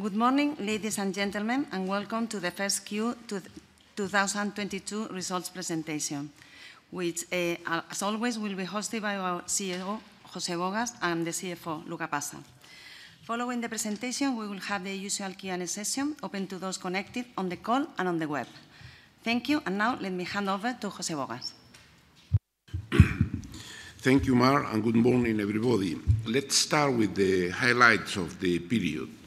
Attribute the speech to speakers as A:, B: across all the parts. A: Good morning, ladies and gentlemen, and welcome to the First Q 2022 Results Presentation, which, as always, will be hosted by our CEO, José Bogas, and the CFO, Luca Passa. Following the presentation, we will have the usual Q&A session open to those connected on the call and on the web. Thank you, and now let me hand over to José Bogas.
B: Thank you, Mar, and good morning, everybody. Let's start with the highlights of the period.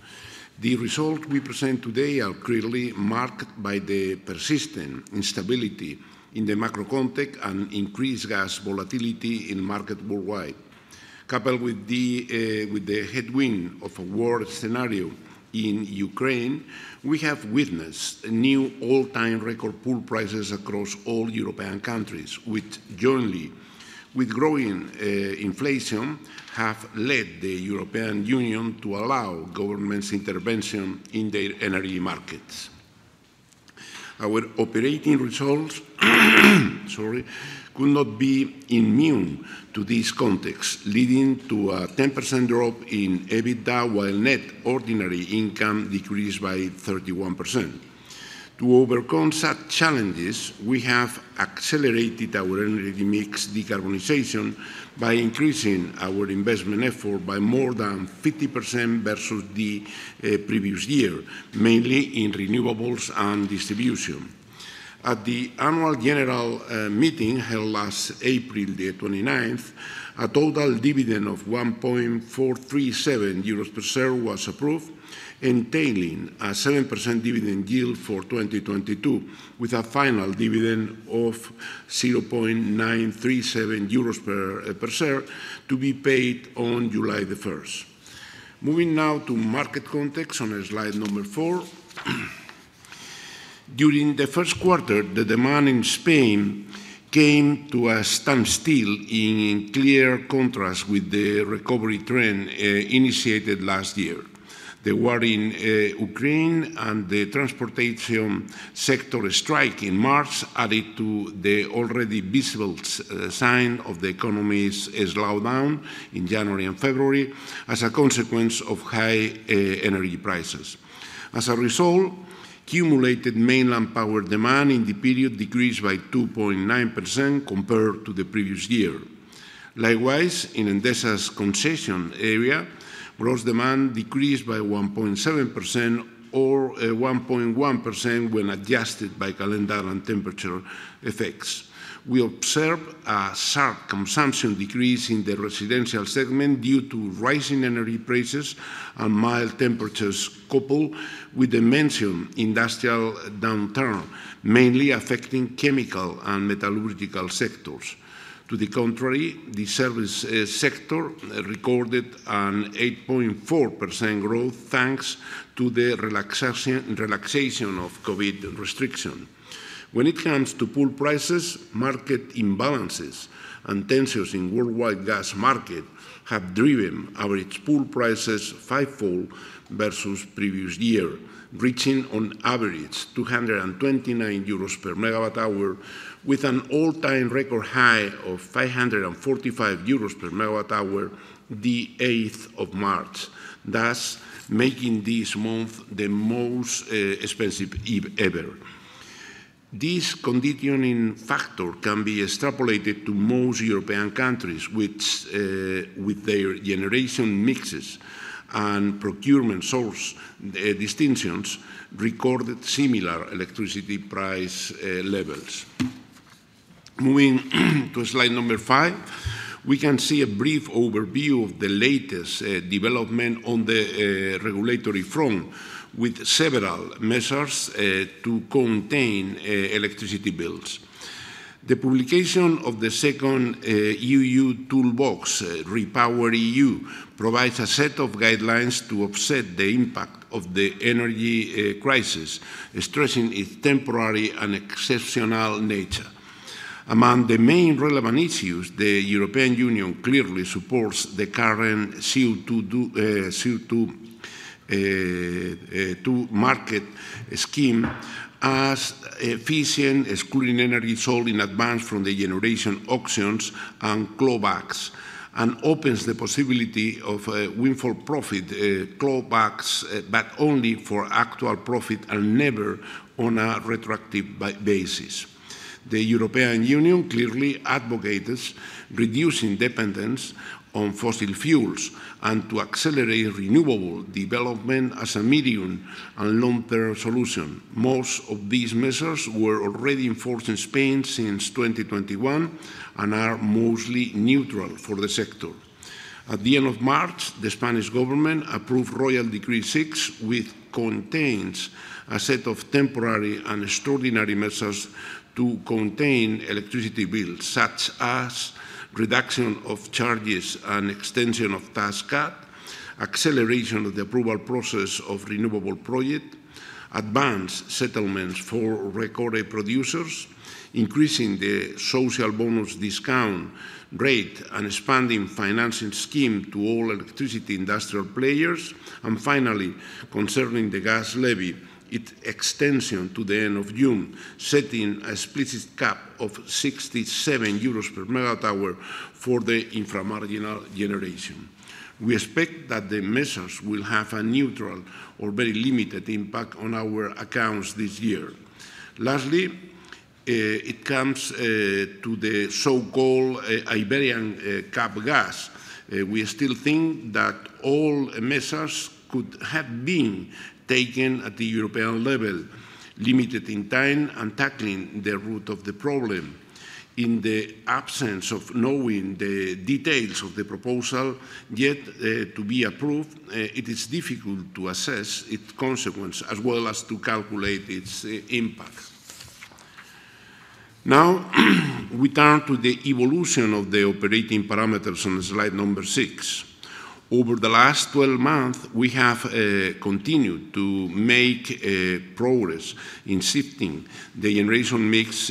B: The results we present today are clearly marked by the persistent instability in the macro context and increased gas volatility in markets worldwide. Coupled with the headwind of a war scenario in Ukraine, we have witnessed new all-time record pool prices across all European countries, which jointly, with growing inflation, have led the European Union to allow governments intervention in the energy markets. Our operating results, sorry, could not be immune to this context, leading to a 10% drop in EBITDA, while net ordinary income decreased by 31%. To overcome such challenges, we have accelerated our energy mix decarbonization by increasing our investment effort by more than 50% versus the previous year, mainly in renewables and distribution. At the annual general meeting held last April 29th, a total dividend of 1.437 euros per share was approved, entailing a 7% dividend yield for 2022, with a final dividend of 0.937 euros per share to be paid on July 1st. Moving now to market context on Slide number four. During the first quarter, the demand in Spain came to a standstill in clear contrast with the recovery trend initiated last year. The war in Ukraine and the transportation sector strike in March added to the already visible sign of the economy's slowdown in January and February as a consequence of high energy prices. As a result, cumulated mainland power demand in the period decreased by 2.9% compared to the previous year. Likewise, in Endesa's concession area, gross demand decreased by 1.7% or 1.1% when adjusted by calendar and temperature effects. We observe a sharp consumption decrease in the residential segment due to rising energy prices and mild temperatures, coupled with the mentioned industrial downturn, mainly affecting chemical and metallurgical sectors. To the contrary, the service sector recorded an 8.4% growth thanks to the relaxation of COVID restriction. When it comes to pool prices, market imbalances and tensions in worldwide gas market have driven average pool prices fivefold versus previous year, reaching on average 229 euros per MWh with an all-time record high of 545 euros per MWh the 8th of March, thus making this month the most expensive ever. This conditioning factor can be extrapolated to most European countries which, with their generation mixes and procurement source distinctions, recorded similar electricity price levels. Moving to slide number 5, we can see a brief overview of the latest development on the regulatory front, with several measures to contain electricity bills. The publication of the second EU toolbox, REPowerEU, provides a set of guidelines to offset the impact of the energy crisis, stressing its temporary and exceptional nature. Among the main relevant issues, the European Union clearly supports the current CO2 market scheme as efficient, excluding energy sold in advance from the generation auctions and clawbacks, and opens the possibility of a windfall profit clawbacks, but only for actual profit and never on a retroactive basis. The European Union clearly advocates reducing dependence on fossil fuels and to accelerate renewable development as a medium- and long-term solution. Most of these measures were already in force in Spain since 2021 and are mostly neutral for the sector. At the end of March, the Spanish government approved Royal Decree 6, which contains a set of temporary and extraordinary measures to contain electricity bills, such as reduction of charges and extension of tax cut, acceleration of the approval process of renewable project, advance settlements for recorded producers, increasing the Social Bonus discount rate, and expanding financing scheme to all electricity industrial players. Finally, concerning the gas levy, its extension to the end of June, setting an explicit cap of 67 euros per MWh for the inframarginal generation. We expect that the measures will have a neutral or very limited impact on our accounts this year. Lastly, it comes to the so-called Iberian gas cap. We still think that all measures could have been taken at the European level, limited in time and tackling the root of the problem. In the absence of knowing the details of the proposal yet to be approved, it is difficult to assess its consequence as well as to calculate its impact. Now, we turn to the evolution of the operating parameters on Slide six. Over the last 12 months, we have continued to make progress in shifting the generation mix,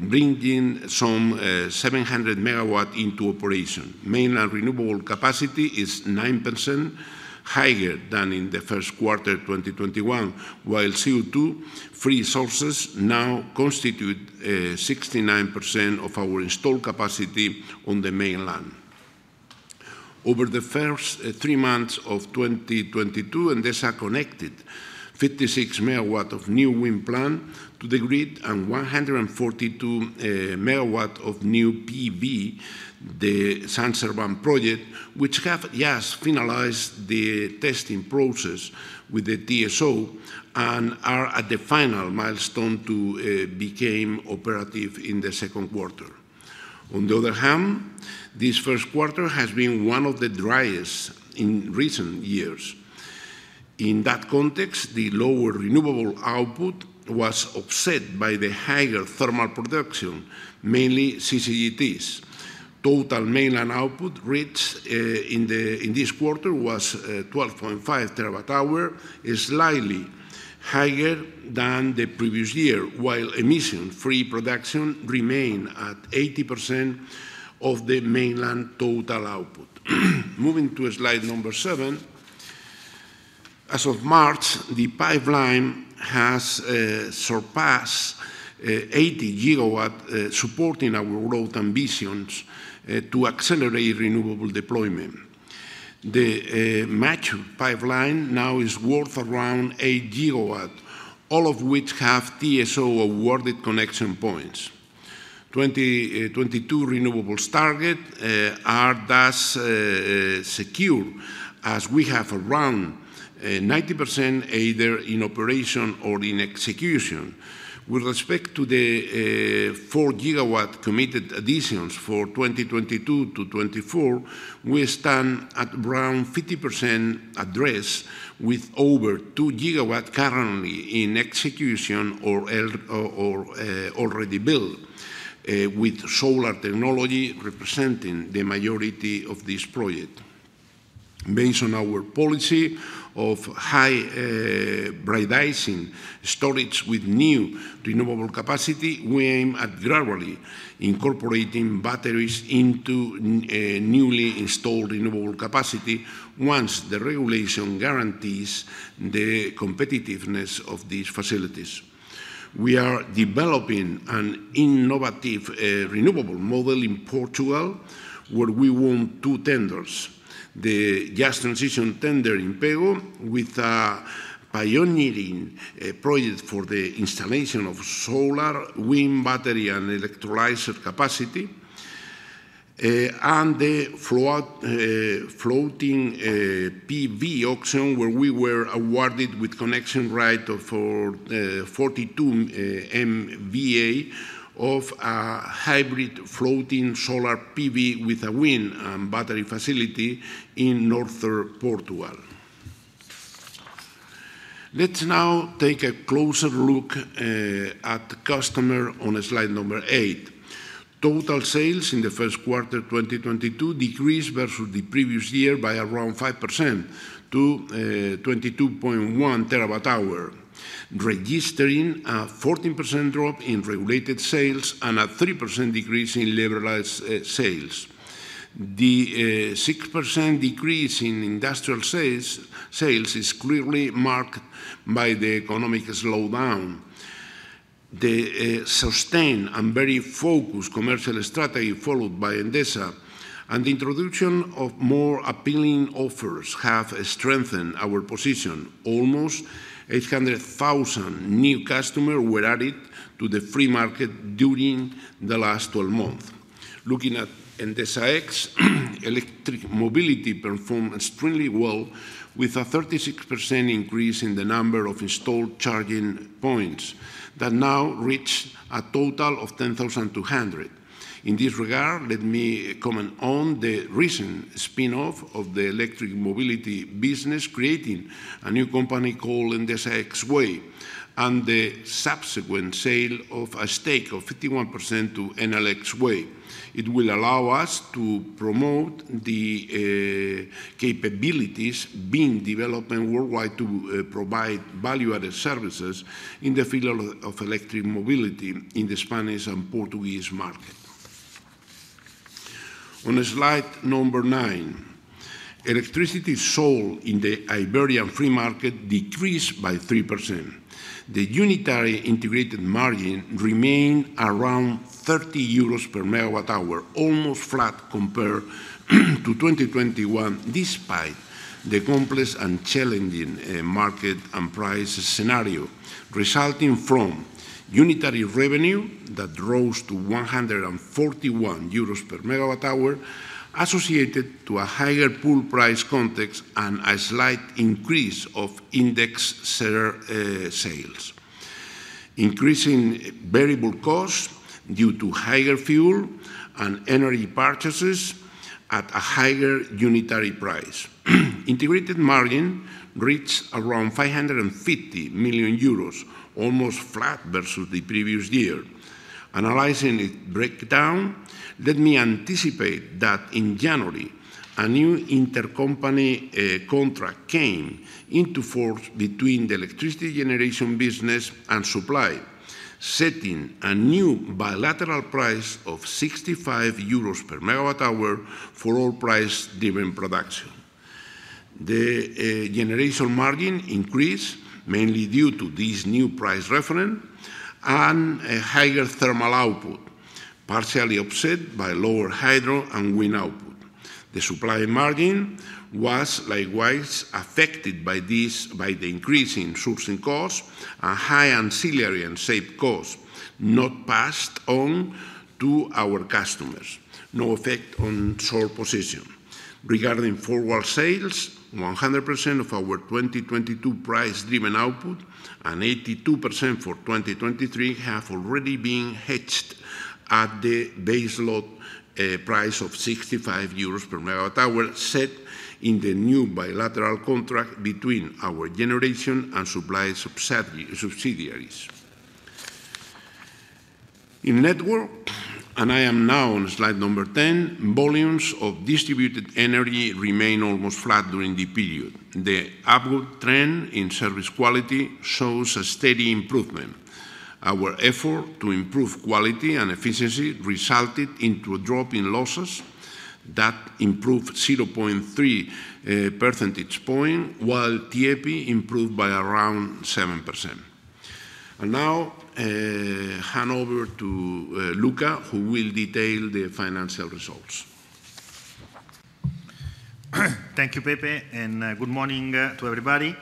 B: bringing some 700 MW into operation. Mainland renewable capacity is 9% higher than in the first quarter 2021, while CO2-free sources now constitute 69% of our installed capacity on the mainland. Over the first three months of 2022, Endesa connected 56 MW of new wind plant to the grid and 142 MW of new PV, the San Serván project, which have, yes, finalized the testing process with the TSO and are at the final milestone to became operative in the second quarter. On the other hand, this first quarter has been one of the driest in recent years. In that context, the lower renewable output was offset by the higher thermal production, mainly CCGTs. Total mainland output reached in this quarter 12.5 terawatt-hours, slightly higher than the previous year, while emission-free production remained at 80% of the mainland total output. Moving to Slide number seven. As of March, the pipeline has surpassed 80 GW, supporting our growth ambitions to accelerate renewable deployment. The matched pipeline now is worth around 8 GW, all of which have TSO-awarded connection points. 2022 renewables target are thus secure as we have around 90% either in operation or in execution. With respect to the 4 GW committed additions for 2022 to 2024, we stand at around 50% addressed with over 2 GW currently in execution or already built, with solar technology representing the majority of this project. Based on our policy of hybridizing storage with new renewable capacity, we aim at gradually incorporating batteries into newly installed renewable capacity once the regulation guarantees the competitiveness of these facilities. We are developing an innovative renewable model in Portugal, where we won two tenders. The just transition tender in Pego with a pioneering project for the installation of solar, wind, battery, and electrolyzer capacity, and the floating PV auction where we were awarded with connection right for 42 MVA of a hybrid floating solar PV with a wind and battery facility in northern Portugal. Let's now take a closer look at customers on slide number eight. Total sales in the first quarter 2022 decreased versus the previous year by around 5% to 22.1 TWh, registering a 14% drop in regulated sales and a 3% decrease in liberalized sales. The 6% decrease in industrial sales is clearly marked by the economic slowdown. The sustained and very focused commercial strategy followed by Endesa and the introduction of more appealing offers have strengthened our position. Almost 800,000 new customers were added to the free market during the last 12 months. Looking at Endesa X, electric mobility performed extremely well with a 36% increase in the number of installed charging points that now reach a total of 10,200. In this regard, let me comment on the recent spin-off of the electric mobility business, creating a new company called Endesa X Way, and the subsequent sale of a stake of 51% to Enel X Way. It will allow us to promote the capabilities being developed worldwide to provide value-added services in the field of electric mobility in the Spanish and Portuguese market. On slide number nine. Electricity sold in the Iberian free market decreased by 3%. The unitary integrated margin remained around 30 euros per MWh, almost flat compared to 2021, despite the complex and challenging market and price scenario, resulting from unitary revenue that rose to 141 euros per MWh, associated to a higher pool price context and a slight increase of index seller sales. Increasing variable costs due to higher fuel and energy purchases at a higher unitary price. Integrated margin reached around 550 million euros, almost flat versus the previous year. Analyzing its breakdown, let me anticipate that in January, a new intercompany contract came into force between the electricity generation business and supply, setting a new bilateral price of 65 euros per MWh for all price-driven production. The generation margin increased mainly due to this new price referent and a higher thermal output, partially offset by lower hydro and wind output. The supply margin was likewise affected by this, by the increase in sourcing costs and high ancillary and SAEP costs not passed on to our customers. No effect on net position. Regarding forward sales, 100% of our 2022 price-driven output and 82% for 2023 have already been hedged at the day-ahead price of 65 euros per MWh set in the new bilateral contract between our generation and supply subsidiaries. In network, I am now on slide number 10, volumes of distributed energy remain almost flat during the period. The upward trend in service quality shows a steady improvement. Our effort to improve quality and efficiency resulted into a drop in losses that improved 0.3 percentage point, while TIEPI improved by around 7%. Now, hand over to Luca, who will detail the financial results.
C: Thank you, Pepe, and good morning to everybody.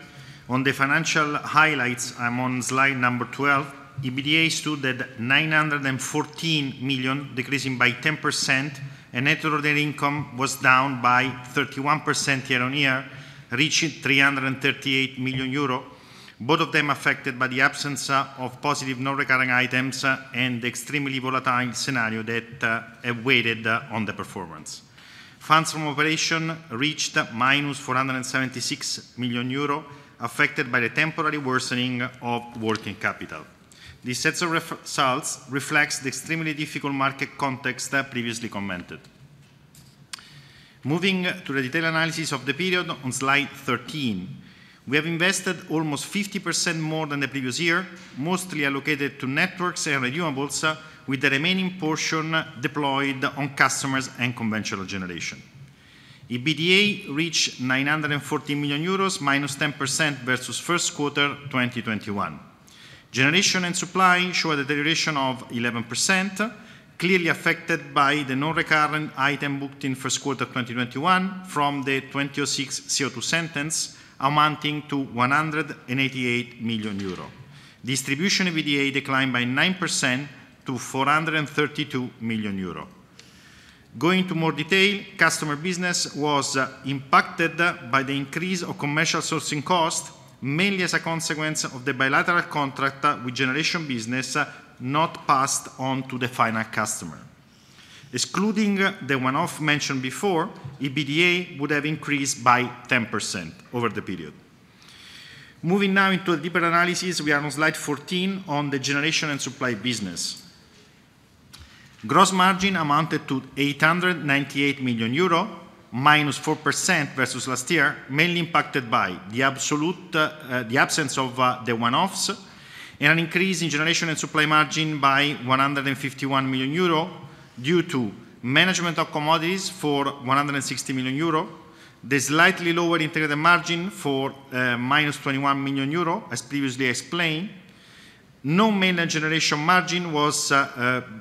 C: On the financial highlights, I'm on slide number 12. EBITDA stood at 914 million, decreasing by 10%, and net ordinary income was down by 31% year-on-year, reaching 338 million euro, both of them affected by the absence of positive non-recurring items and extremely volatile scenario that have weighed on the performance. Funds from operation reached -476 million euro, affected by the temporary worsening of working capital. These sets of results reflect the extremely difficult market context I previously commented. Moving to the detailed analysis of the period on slide 13, we have invested almost 50% more than the previous year, mostly allocated to networks and renewables, with the remaining portion deployed on customers and conventional generation. EBITDA reached 914 million euros, -10% versus first quarter 2021. Generation and supply showed a deterioration of 11%, clearly affected by the non-recurrent item booked in first quarter 2021 from the 2006 CO2 sentence amounting to 188 million euro. Distribution EBITDA declined by 9% to 432 million euro. Going into more detail, customer business was impacted by the increase of commercial sourcing costs, mainly as a consequence of the bilateral contract with generation business not passed on to the final customer. Excluding the one-off mentioned before, EBITDA would have increased by 10% over the period. Moving now into a deeper analysis, we are on slide 14 on the generation and supply business. Gross margin amounted to 898 million euro, -4% versus last year, mainly impacted by the absence of the one-offs and an increase in generation and supply margin by 151 million euro due to management of commodities for 160 million euro, the slightly lower integrated margin for -21 million euro, as previously explained. No mainland generation margin was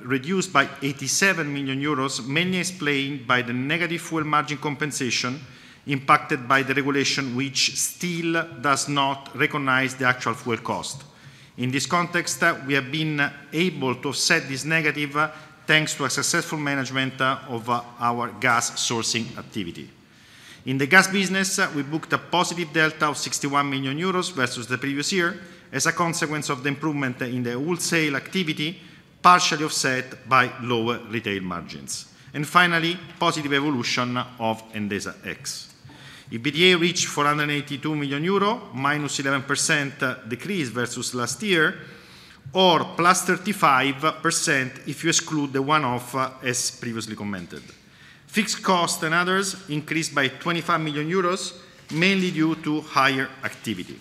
C: reduced by 87 million euros, mainly explained by the negative fuel margin compensation impacted by the regulation which still does not recognize the actual fuel cost. In this context, we have been able to offset this negative thanks to a successful management of our gas sourcing activity. In the gas business, we booked a positive delta of 61 million euros versus the previous year as a consequence of the improvement in the wholesale activity, partially offset by lower retail margins. Finally, positive evolution of Endesa X. EBITDA reached 482 million euro, -11% decrease versus last year, or +35% if you exclude the one-off, as previously commented. Fixed cost and others increased by 25 million euros, mainly due to higher activity.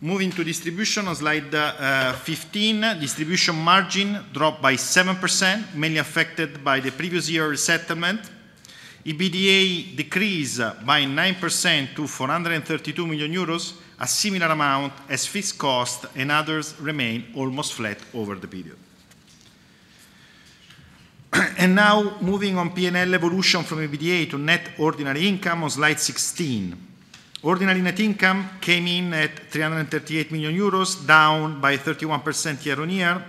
C: Moving to distribution on slide 15, distribution margin dropped by 7%, mainly affected by the previous year settlement. EBITDA decreased by 9% to 432 million euros, a similar amount as fixed cost and others remain almost flat over the period. Now moving on to P&L evolution from EBITDA to net ordinary income on slide 16. Ordinary net income came in at 338 million euros, down by 31% year-on-year,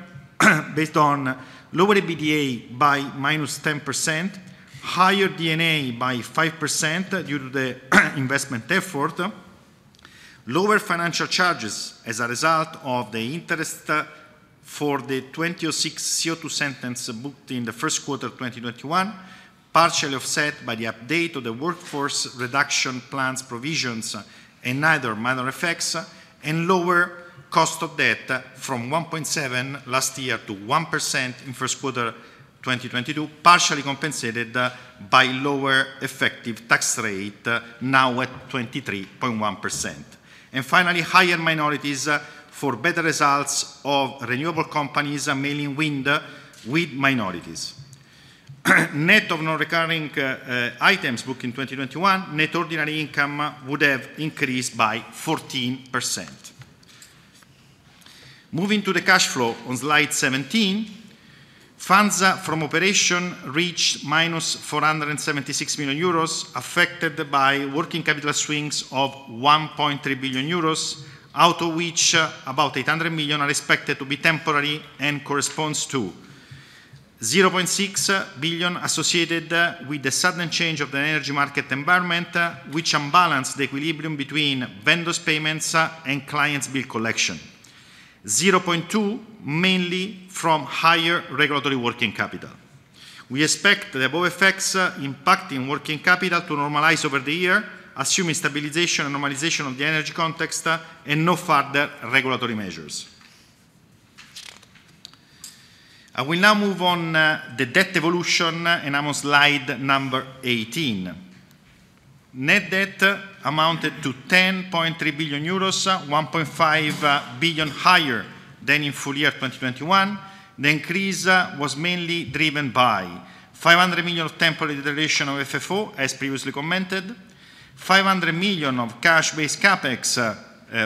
C: based on lower EBITDA by -10%, higher D&A by 5% due to the investment effort, lower financial charges as a result of the interest for the 2006 CO2 court sentence booked in the first quarter 2021, partially offset by the update of the workforce reduction plans provisions and other minor effects, and lower cost of debt from 1.7% last year to 1% in first quarter 2022, partially compensated by lower effective tax rate, now at 23.1%. Finally, higher minorities for better results of renewable companies, mainly wind with minorities. Net of non-recurring items booked in 2021, net ordinary income would have increased by 14%. Moving to the cash flow on slide 17, funds from operation reached minus 476 million euros, affected by working capital swings of 1.3 billion euros, out of which about 800 million are expected to be temporary and corresponds to 0.6 billion associated with the sudden change of the energy market environment, which unbalanced the equilibrium between vendors' payments and clients' bill collection. 0.2 billion mainly from higher regulatory working capital. We expect the above effects impacting working capital to normalize over the year, assuming stabilization and normalization of the energy context and no further regulatory measures. I will now move on the debt evolution, and I'm on slide number 18. Net debt amounted to 10.3 billion euros, 1.5 billion higher than in full year 2021. The increase was mainly driven by 500 million of temporary deterioration of FFO, as previously commented, 500 million of cash-based CapEx,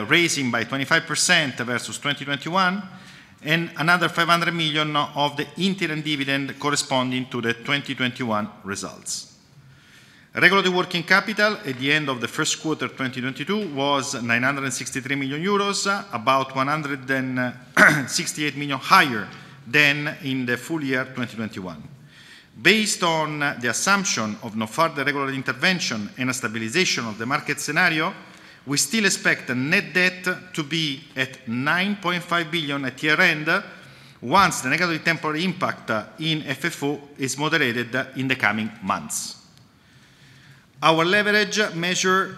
C: raising by 25% versus 2021, and another 500 million of the interim dividend corresponding to the 2021 results. Regulatory working capital at the end of the first quarter 2022 was 963 million euros, about 168 million higher than in the full year 2021. Based on the assumption of no further regulatory intervention and a stabilization of the market scenario, we still expect the net debt to be at 9.5 billion at year-end, once the negative temporary impact in FFO is moderated in the coming months. Our leverage measure,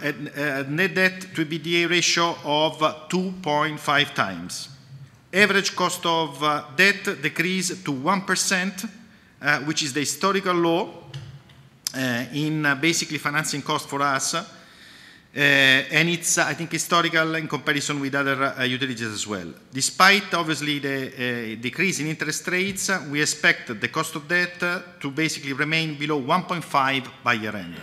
C: net debt to EBITDA ratio of 2.5 times. Average cost of debt decreased to 1%, which is the historical low, in basically financing cost for us. It's, I think, historical in comparison with other utilities as well. Despite obviously the decrease in interest rates, we expect the cost of debt to basically remain below 1.5 by year-end.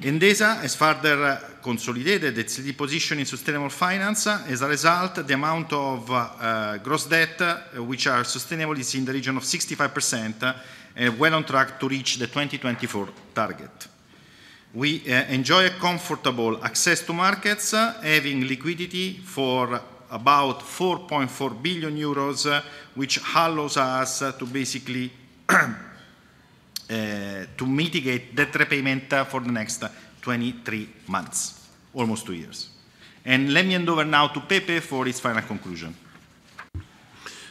C: Endesa has further consolidated its lead position in sustainable finance. As a result, the amount of gross debt which are sustainable is in the region of 65%, well on track to reach the 2024 target. We enjoy a comfortable access to markets, having liquidity for about 4.4 billion euros, which allows us to basically to mitigate debt repayment for the next 23 months, almost two years. Let me hand over now to Pepe for his final conclusion.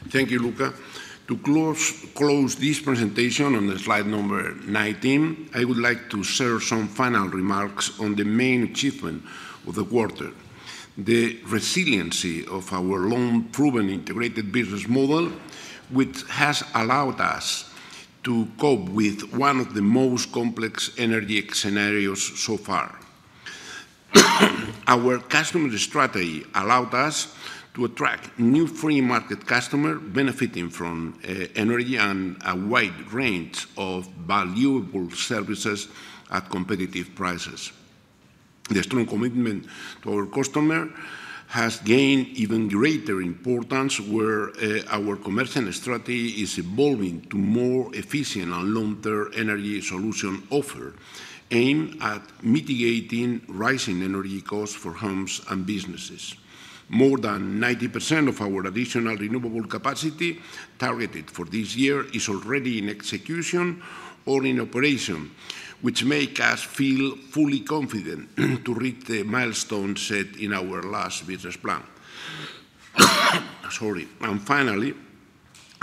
B: Thank you, Luca. To close this presentation on the slide number 19, I would like to share some final remarks on the main achievement of the quarter. The resiliency of our long-proven integrated business model, which has allowed us to cope with one of the most complex energy scenarios so far. Our customer strategy allowed us to attract new free market customer benefiting from energy and a wide range of valuable services at competitive prices. The strong commitment to our customer has gained even greater importance where our commercial strategy is evolving to more efficient and long-term energy solution offer aimed at mitigating rising energy costs for homes and businesses. More than 90% of our additional renewable capacity targeted for this year is already in execution or in operation, which make us feel fully confident to reach the milestone set in our last business plan. Sorry. Finally,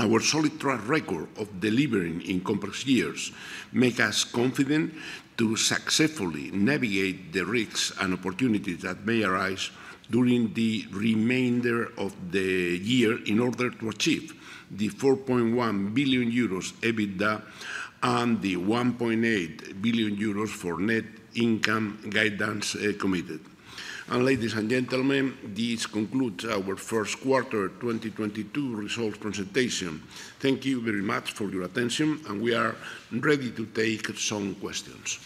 B: our solid track record of delivering in complex years make us confident to successfully navigate the risks and opportunities that may arise during the remainder of the year in order to achieve the 4.1 billion euros EBITDA and the 1.8 billion euros for net income guidance, committed. Ladies and gentlemen, this concludes our first quarter 2022 results presentation. Thank you very much for your attention, and we are ready to take some questions.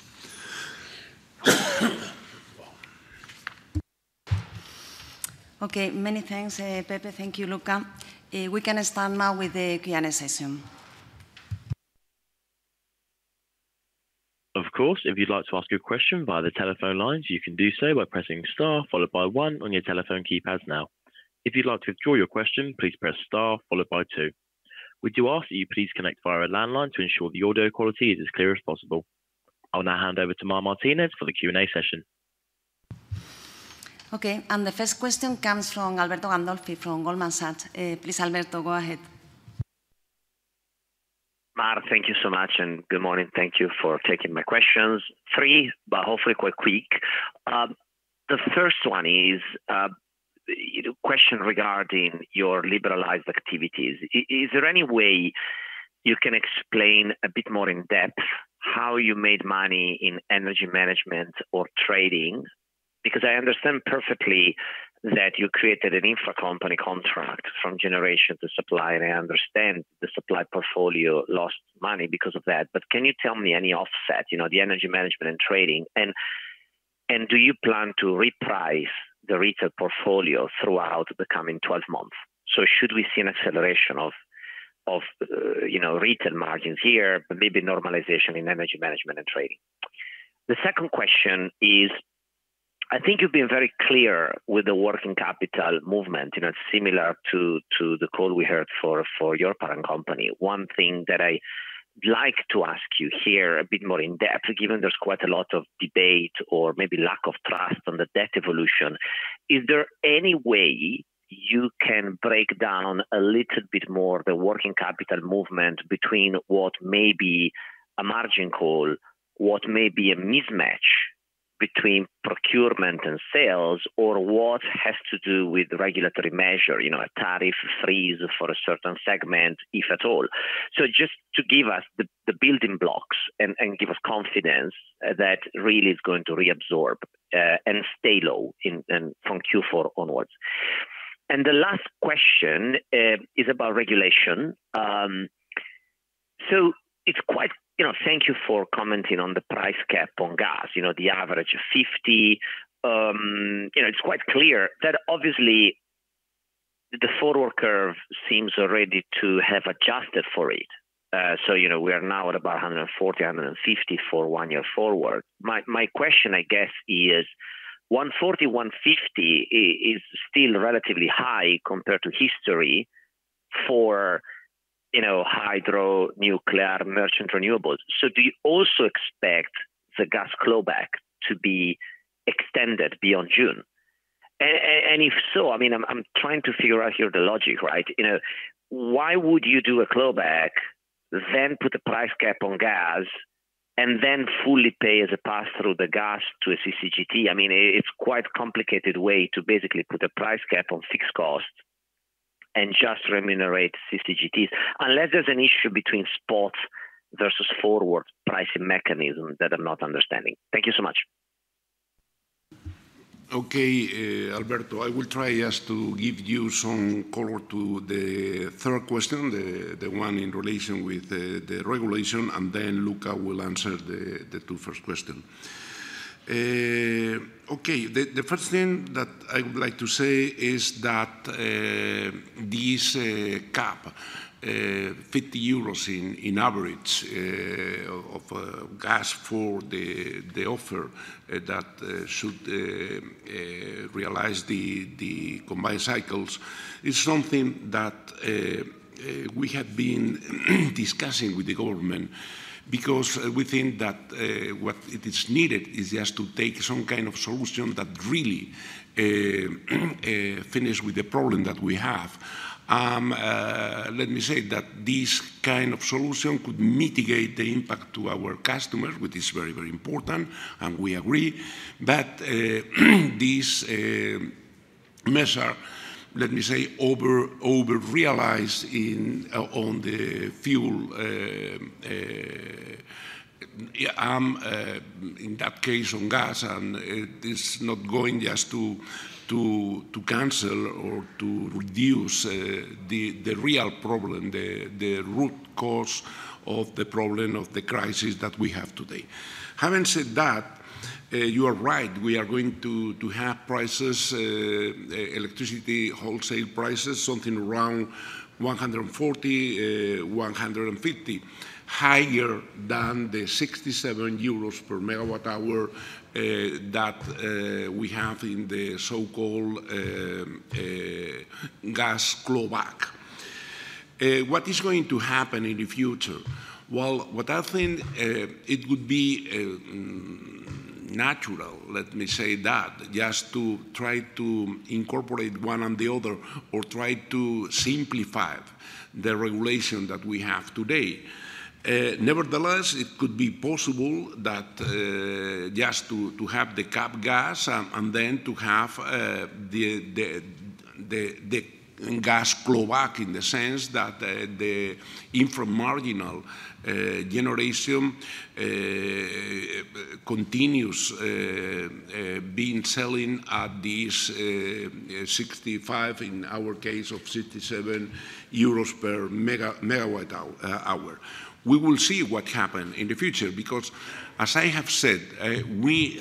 A: Okay, many things, Pepe. Thank you, Luca. We can start now with the Q&A session.
D: Of course, if you'd like to ask your question via the telephone lines, you can do so by pressing star followed by one on your telephone keypads now. If you'd like to withdraw your question, please press star followed by two. We do ask that you please connect via a landline to ensure the audio quality is as clear as possible. I'll now hand over to Mar Martínez for the Q&A session.
A: Okay. The first question comes from Alberto Gandolfi from Goldman Sachs. Please, Alberto, go ahead.
E: Mar, thank you so much, and good morning. Thank you for taking my questions. Three, but hopefully quite quick. The first one is a question regarding your liberalized activities. Is there any way you can explain a bit more in depth how you made money in energy management or trading? Because I understand perfectly that you created an intra-company contract from generation to supply, and I understand the supply portfolio lost money because of that. But can you tell me any offset, you know, the energy management and trading? And do you plan to reprice the retail portfolio throughout the coming 12 months? Should we see an acceleration of, you know, retail margins here, but maybe normalization in energy management and trading? The second question is, I think you've been very clear with the working capital movement, you know, similar to the call we had for your parent company. One thing that I'd like to ask you here a bit more in-depth, given there's quite a lot of debate or maybe lack of trust on the debt evolution, is there any way you can break down a little bit more the working capital movement between what may be a margin call, what may be a mismatch between procurement and sales, or what has to do with regulatory measure, you know, a tariff freeze for a certain segment, if at all. So just to give us the building blocks and give us confidence that really is going to reabsorb and stay low in from Q4 onwards. The last question is about regulation. You know, thank you for commenting on the price cap on gas. You know, the average of 50, you know, it's quite clear that obviously the forward curve seems already to have adjusted for it. You know, we are now at about 140, 150 for one year forward. My question, I guess, is 140, 150 is still relatively high compared to history for, you know, hydro, nuclear, merchant renewables. Do you also expect the gas clawback to be extended beyond June? And if so, I mean, I'm trying to figure out here the logic, right? You know, why would you do a clawback then put a price cap on gas and then fully pay as a pass-through the gas to a CCGT? I mean, it's quite complicated way to basically put a price cap on fixed cost and just remunerate CCGTs. Unless there's an issue between spot versus forward pricing mechanism that I'm not understanding? Thank you so much.
B: Okay, Alberto, I will try just to give you some color to the third question, the one in relation with the regulation, and then Luca will answer the two first question. Okay. The first thing that I would like to say is that this cap, 50 euros in average, of gas for the offer that realize the combined cycles is something that we have been discussing with the government because we think that what it is needed is just to take some kind of solution that really finish with the problem that we have. Let me say that this kind of solution could mitigate the impact to our customers, which is very, very important, and we agree. This measure, let me say, over-reliance on the fuel, in that case, on gas, and it is not going just to cancel or to reduce the real problem, the root cause of the problem of the crisis that we have today. Having said that, you are right, we are going to have prices, electricity wholesale prices, something around 140-150, higher than the 67 euros per MWh that we have in the so-called gas clawback. What is going to happen in the future? Well, what I think it would be natural, let me say that, just to try to incorporate one and the other or try to simplify the regulation that we have today. Nevertheless, it could be possible that just to have the gas cap and then to have the gas clawback in the sense that the inframarginal generation continues being selling at this 65, in our case of 67 euros per megawatt hour. We will see what happen in the future, because as I have said, we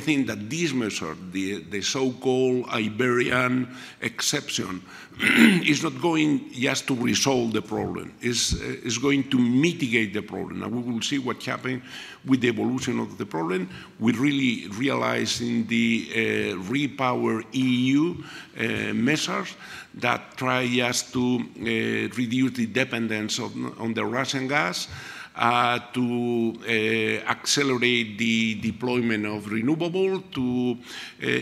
B: think that this measure, the so-called Iberian exception, is not going just to resolve the problem. Is going to mitigate the problem. Now, we will see what happen with the evolution of the problem. We really realizing the REPowerEU measures that try just to reduce the dependence on the Russian gas to accelerate the deployment of renewable to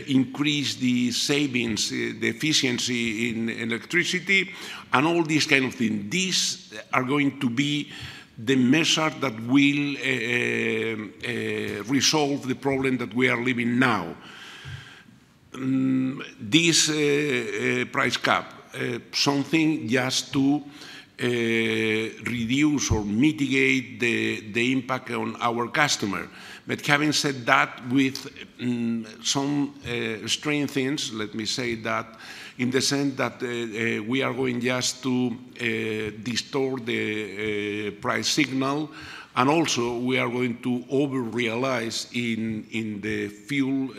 B: increase the savings the efficiency in electricity and all these kind of thing. These are going to be the measures that will resolve the problem that we are living now. This price cap something just to reduce or mitigate the impact on our customers. Having said that, with some strange things, let me say that in the sense that we are going just to distort the price signal, and also we are going to over-rely in the fuel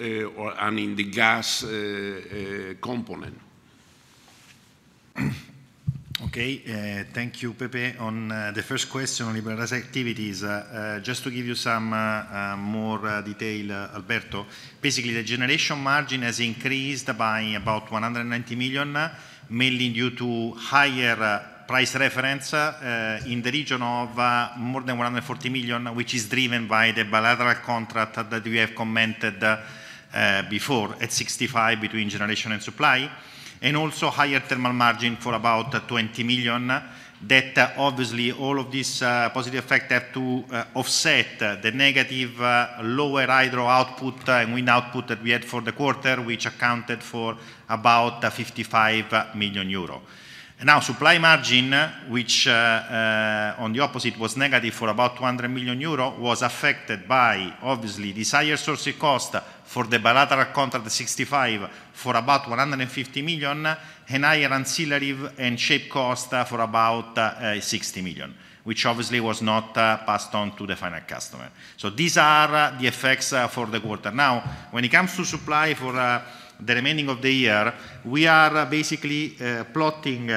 B: and in the gas component.
C: Okay. Thank you, Pepe. On the first question on liberalized activities, just to give you some more detail, Alberto. Basically, the generation margin has increased by about 190 million, mainly due to higher price reference in the region of more than 140 million, which is driven by the bilateral contract that we have commented before at 65 between generation and supply, and also higher thermal margin for about 20 million. That obviously all of this positive effect have to offset the negative lower hydro output and wind output that we had for the quarter, which accounted for about 55 million euro. Now, supply margin, which on the opposite was negative for about 200 million euro, was affected by obviously this higher sourcing cost for the bilateral contract sixty-five for about 150 million, and higher ancillary and SAEP cost for about 60 million, which obviously was not passed on to the final customer. These are the effects for the quarter. Now, when it comes to supply for the remaining of the year, we are basically plotting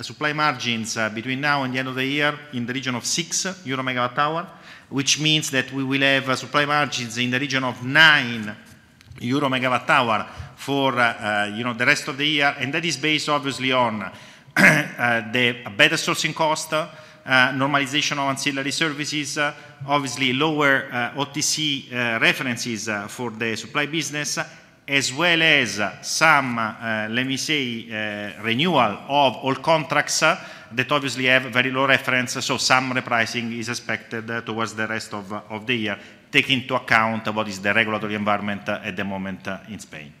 C: supply margins between now and the end of the year in the region of 6 EUR/MWh, which means that we will have supply margins in the region of 9 EUR/MWh for, you know, the rest of the year. That is based obviously on the better sourcing cost, normalization of ancillary services, obviously lower OTC references for the supply business as well as some, let me say, renewal of all contracts that obviously have very low reference. Some repricing is expected towards the rest of the year, taking into account what is the regulatory environment at the moment in Spain.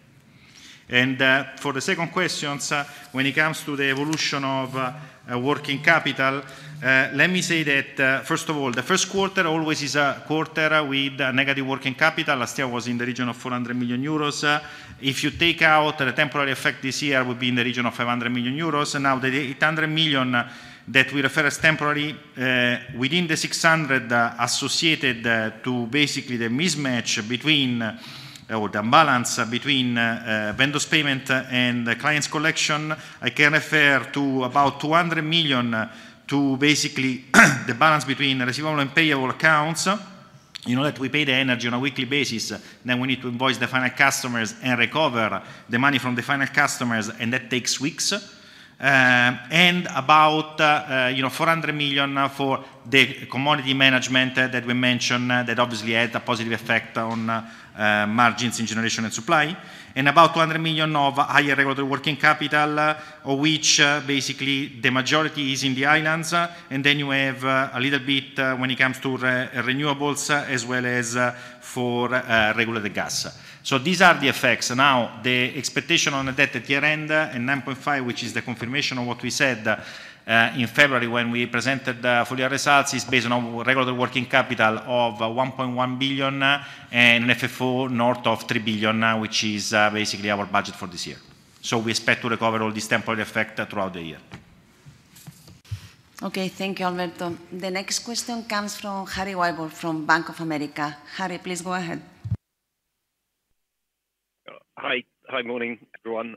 C: For the second questions, when it comes to the evolution of working capital, let me say that first of all, the first quarter always is a quarter with negative working capital. Last year was in the region of 400 million euros. If you take out the temporary effect, this year would be in the region of 500 million euros. Now, the 800 million that we refer as temporary within the 600 associated to basically the mismatch between or the imbalance between vendors payment and the clients collection, I can refer to about 200 million to basically the balance between receivable and payable accounts. You know that we pay the energy on a weekly basis, then we need to invoice the final customers and recover the money from the final customers, and that takes weeks. You know, about four hundred million for the commodity management that we mentioned, that obviously had a positive effect on margins in generation and supply. About 200 million of higher regulatory working capital, of which basically the majority is in the islands. You have a little bit when it comes to renewables as well as for regulated gas. These are the effects. Now, the expectation on the debt at year-end in 9.5 billion, which is the confirmation of what we said in February when we presented the full year results, is based on regulatory working capital of 1.1 billion and FFO north of 3 billion, which is basically our budget for this year. We expect to recover all this temporary effect throughout the year.
A: Okay. Thank you, Alberto. The next question comes from Harry Wyburd from Bank of America. Harry, please go ahead.
F: Hi. Morning, everyone.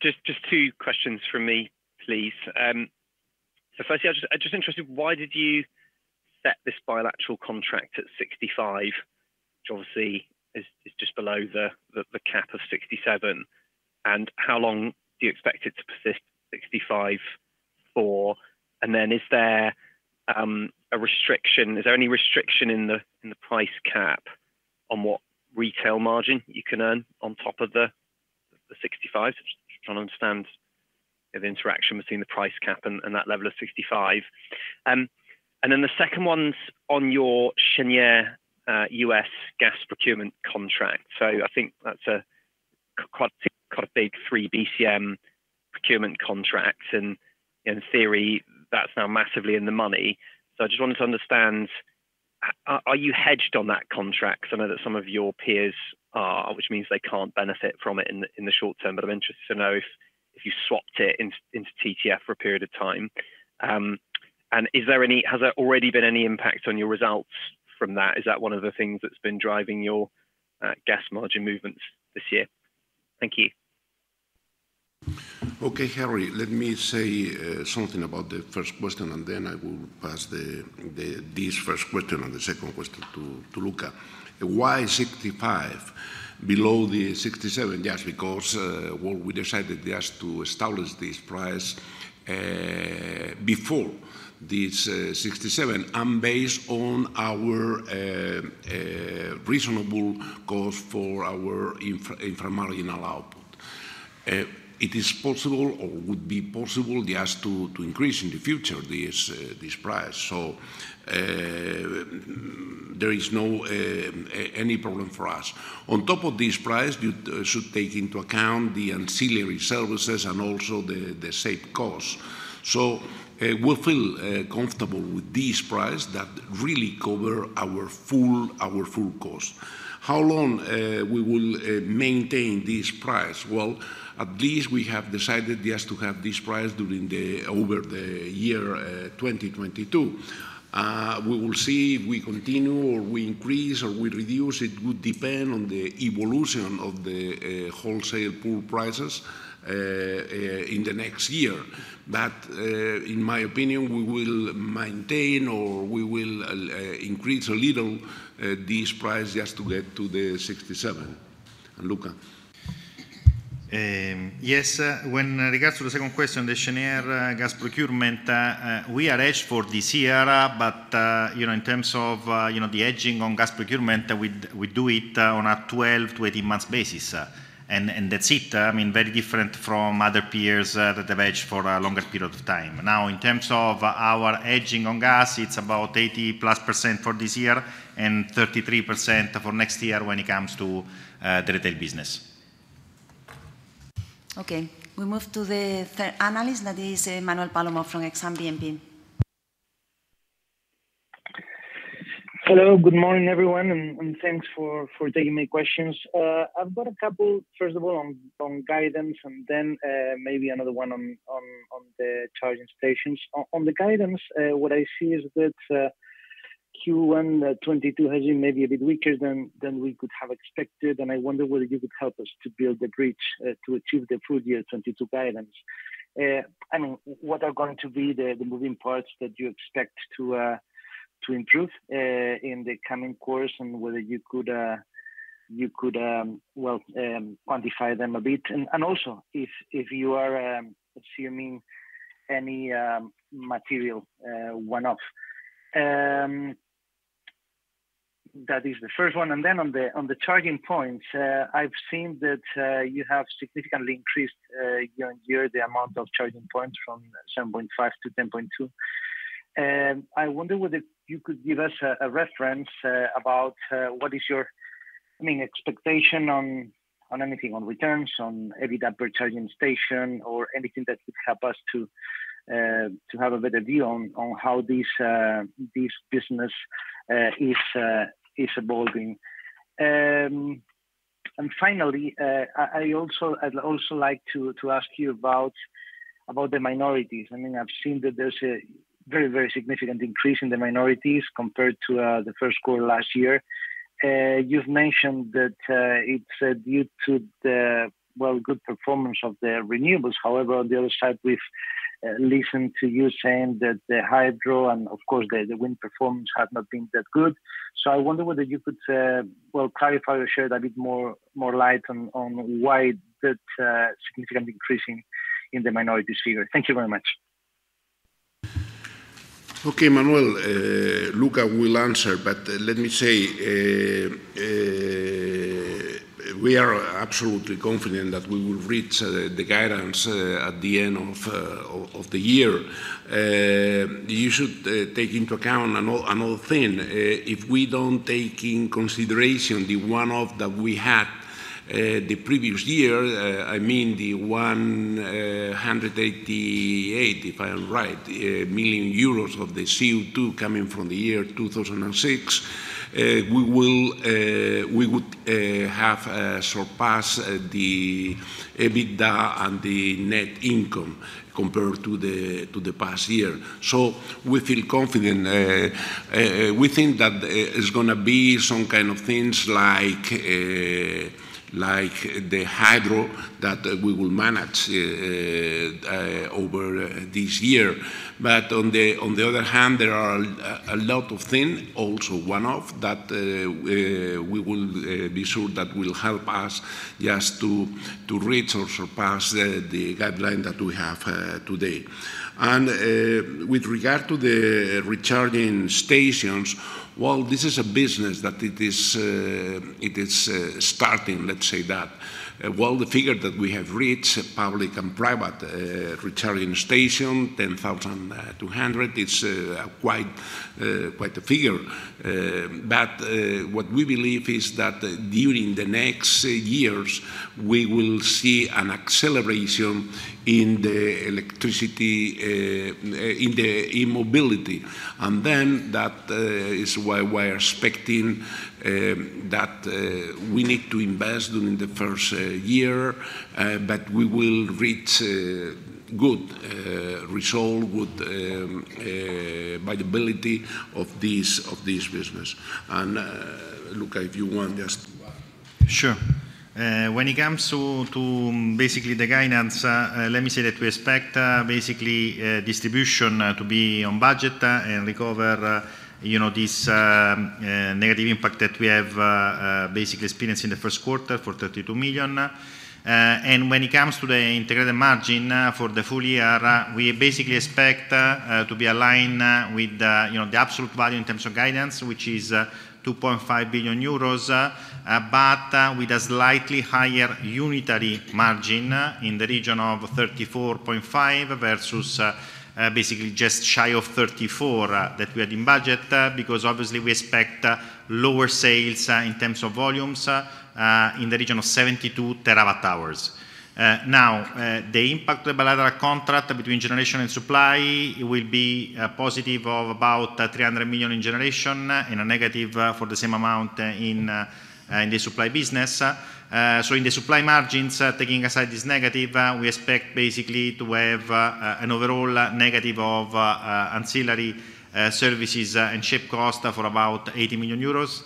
F: Just two questions from me, please. Firstly, I'm just interested, why did you set this bilateral contract at 65, which obviously is just below the cap of 67, and how long do you expect it to persist 65 for? Is there any restriction in the price cap on what retail margin you can earn on top of the 65? Just trying to understand the interaction between the price cap and that level of 65. The second one's on your Cheniere US gas procurement contract. I think that's a quite big 3 BCM procurement contract. In theory, that's now massively in the money. I just wanted to understand, are you hedged on that contract? Because I know that some of your peers are, which means they can't benefit from it in the short term. I'm interested to know if you swapped it into TTF for a period of time. Has there already been any impact on your results from that? Is that one of the things that's been driving your gas margin movements this year? Thank you.
B: Okay, Harry, let me say something about the first question, and then I will pass this first question and the second question to Luca. Why 65 below the 67? Yes, because, well, we decided just to establish this price before this 67, and based on our reasonable cost for our infra-marginal output. It is possible or would be possible just to increase in the future this price. So, there is no any problem for us. On top of this price, you should take into account the ancillary services and also the SAEP costs. So, we feel comfortable with this price that really cover our full cost. How long we will maintain this price? Well, at least we have decided just to have this price during the Over the year, 2022. We will see if we continue, or we increase, or we reduce. It would depend on the evolution of the wholesale pool prices in the next year. In my opinion, we will maintain or we will increase a little this price just to get to the 67. Luca.
C: Yes. With regards to the second question, the Cheniere gas procurement, we are hedged for this year. You know, in terms of, you know, the hedging on gas procurement, we do it on a 12-18 months basis, and that's it. I mean, very different from other peers that have hedged for a longer period of time. Now, in terms of our hedging on gas, it's about 80+% for this year and 33% for next year when it comes to the retail business.
A: Okay. We move to the third analyst, that is Manuel Palomo from Exane BNP.
G: Hello. Good morning, everyone, and thanks for taking my questions. I've got a couple, first of all, on guidance and then, maybe another one on the charging stations. On the guidance, what I see is that, Q1 2022 has been maybe a bit weaker than we could have expected, and I wonder whether you could help us to build the bridge to achieve the full year 2022 guidance. I mean, what are going to be the moving parts that you expect to improve in the coming quarters, and whether you could well quantify them a bit, and also if you are assuming any material one-off. That is the first one. On the charging points, I've seen that you have significantly increased year-on-year the amount of charging points from 7.5 to 10.2. I wonder whether you could give us a reference about what is your, I mean, expectation on anything, on returns, on EBITDA per charging station or anything that could help us to have a better view on how this business is evolving. Finally, I'd also like to ask you about the minorities. I mean, I've seen that there's a very significant increase in the minorities compared to the first quarter last year. You've mentioned that it's due to the, well, good performance of the renewables. However, on the other side, we've listened to you saying that the hydro and, of course, the wind performance have not been that good. I wonder whether you could, well, clarify or shed a bit more light on why that significant increase in the minorities figure? Thank you very much.
B: Okay. Manuel, Luca will answer. Let me say, we are absolutely confident that we will reach the guidance at the end of the year. You should take into account another thing. If we don't take in consideration the one-off that we had the previous year, I mean, the 188 million euros of the CO2 coming from the year 2006, we would have surpassed the EBITDA and the net income compared to the past year. We feel confident. We think that it's gonna be some kind of things like the hydro that we will manage over this year. On the other hand, there are a lot of things, also one-off, that we will be sure that will help us just to reach or surpass the guideline that we have today. With regard to the recharging stations, while this is a business that it is starting, let's say that. While the figure that we have reached, public and private, recharging stations, 10,200, it's quite a figure. What we believe is that during the next years, we will see an acceleration in the e-mobility. That is why we are expecting that we need to invest during the first year, but we will reach a good result, good viability of this business. Luca, if you want just to add.
C: Sure. When it comes to basically the guidance, let me say that we expect basically distribution to be on budget and recover, you know, this negative impact that we have basically experienced in the first quarter for 32 million. When it comes to the integrated margin for the full year, we basically expect to be aligned with, you know, the absolute value in terms of guidance, which is 2.5 billion euros, but with a slightly higher unitary margin in the region of 34.5 versus basically just shy of 34 that we had in budget, because obviously we expect lower sales in terms of volumes in the region of 72 terawatt-hours. Now, the impact of the bilateral contract between generation and supply will be a positive of about 300 million in generation and a negative for the same amount in the supply business. In the supply margins, taking aside this negative, we expect basically to have an overall negative of ancillary services and shape cost for about 80 million euros.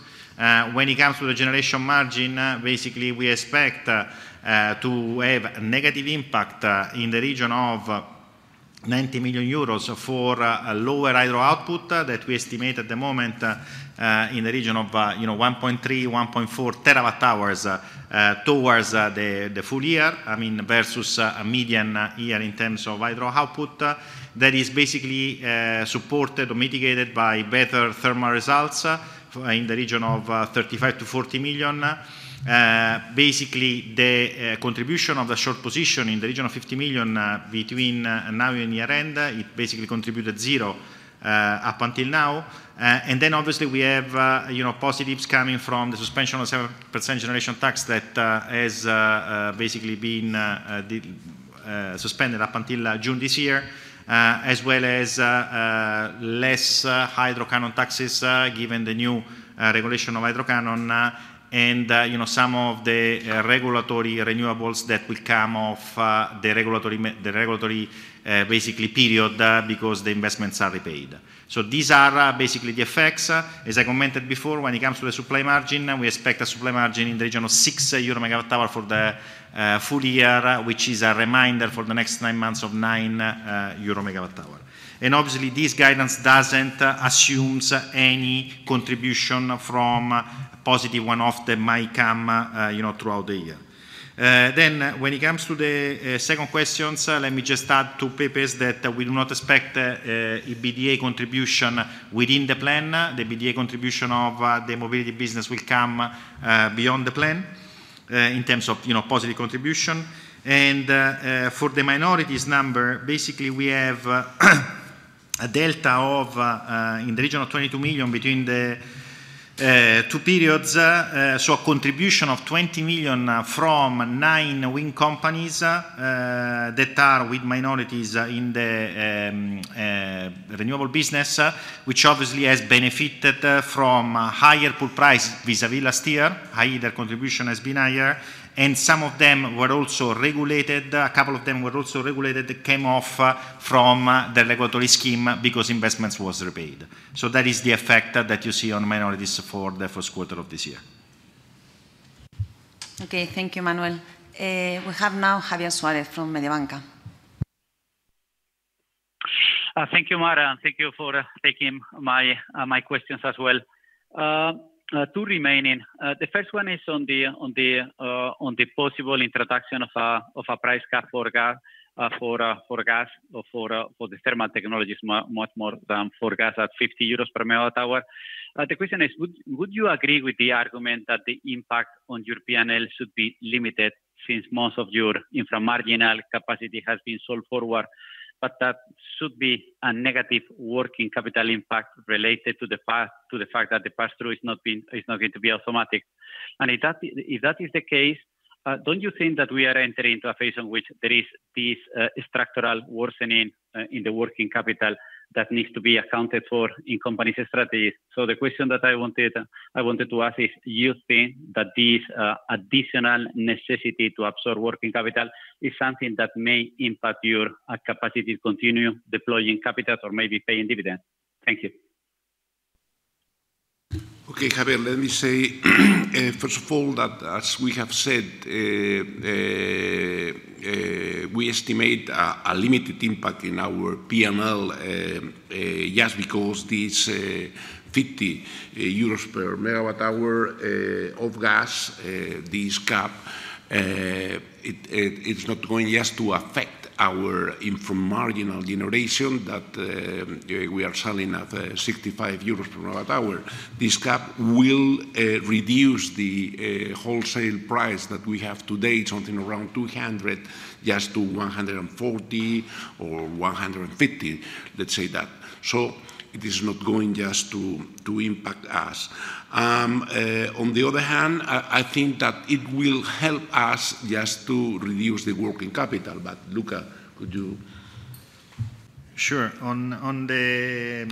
C: When it comes to the generation margin, basically we expect to have a negative impact in the region of 90 million euros for a lower hydro output that we estimate at the moment in the region of, you know, 1.3, 1.4 terawatt-hours towards the full year, I mean, versus a median year in terms of hydro output. That is basically supported or mitigated by better thermal results in the region of 35 million-40 million. Basically, the contribution of the short position in the region of 50 million between now and year-end, it basically contributed zero up until now. Obviously we have you know positives coming from the suspension of 7% generation tax that has basically been suspended up until June this year, as well as less hydro canon taxes given the new regulation of hydro canon, and you know some of the regulatory renewables that will come off the regulatory basically period because the investments are repaid. These are basically the effects. As I commented before, when it comes to the supply margin, we expect a supply margin in the region of 6 euro/MWh for the full year, which is a remainder for the next nine months of 9 euro/MWh. Obviously, this guidance doesn't assumes any contribution from positive one-off that might come, you know, throughout the year. When it comes to the second question, let me just add two points that we do not expect EBITDA contribution within the plan. The EBITDA contribution of the mobility business will come beyond the plan in terms of, you know, positive contribution. For the minorities number, basically, we have a delta of in the region of 22 million between the two periods. A contribution of 20 million from nine wind companies that are with minorities in the renewable business, which obviously has benefited from higher pool price vis-a-vis last year, i.e. their contribution has been higher. Some of them were also regulated. A couple of them were also regulated, came off from the regulatory scheme because investments was repaid. That is the effect that you see on minorities for the first quarter of this year.
A: Okay. Thank you, Manuel. We have now Javier Suarez from Mediobanca.
H: Thank you, Mar, and thank you for taking my questions as well. Two remaining. The first one is on the possible introduction of a price cap for gas or for the thermal technologies much more than for gas at 50 euros per MWh. The question is, would you agree with the argument that the impact on your P&L should be limited since most of your infra-marginal capacity has been sold forward, but that should be a negative working capital impact related to the fact that the pass-through is not going to be automatic? If that is the case, don't you think that we are entering into a phase in which there is this structural worsening in the working capital that needs to be accounted for in companies' strategies? The question that I wanted to ask is: do you think that this additional necessity to absorb working capital is something that may impact your capacity to continue deploying capital or maybe paying dividends? Thank you.
B: Okay, Javier, let me say first of all, that as we have said, we estimate a limited impact in our P&L, just because this 50 euros per MWh of gas, this cap, it's not going just to affect our infra-marginal generation that we are selling at 65 euros per MWh. This cap will reduce the wholesale price that we have today, something around 200, just to 140 or 150, let's say that. It is not going just to impact us. On the other hand, I think that it will help us just to reduce the working capital, but Luca, could you?
C: Sure. On the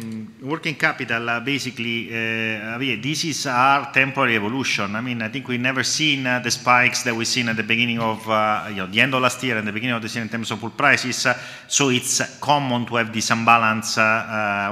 C: working capital, basically, Javier, this is our temporary evolution. I mean, I think we never seen the spikes that we seen at the beginning of, you know, the end of last year and the beginning of this year in terms of wholesale prices, so it's common to have this imbalance,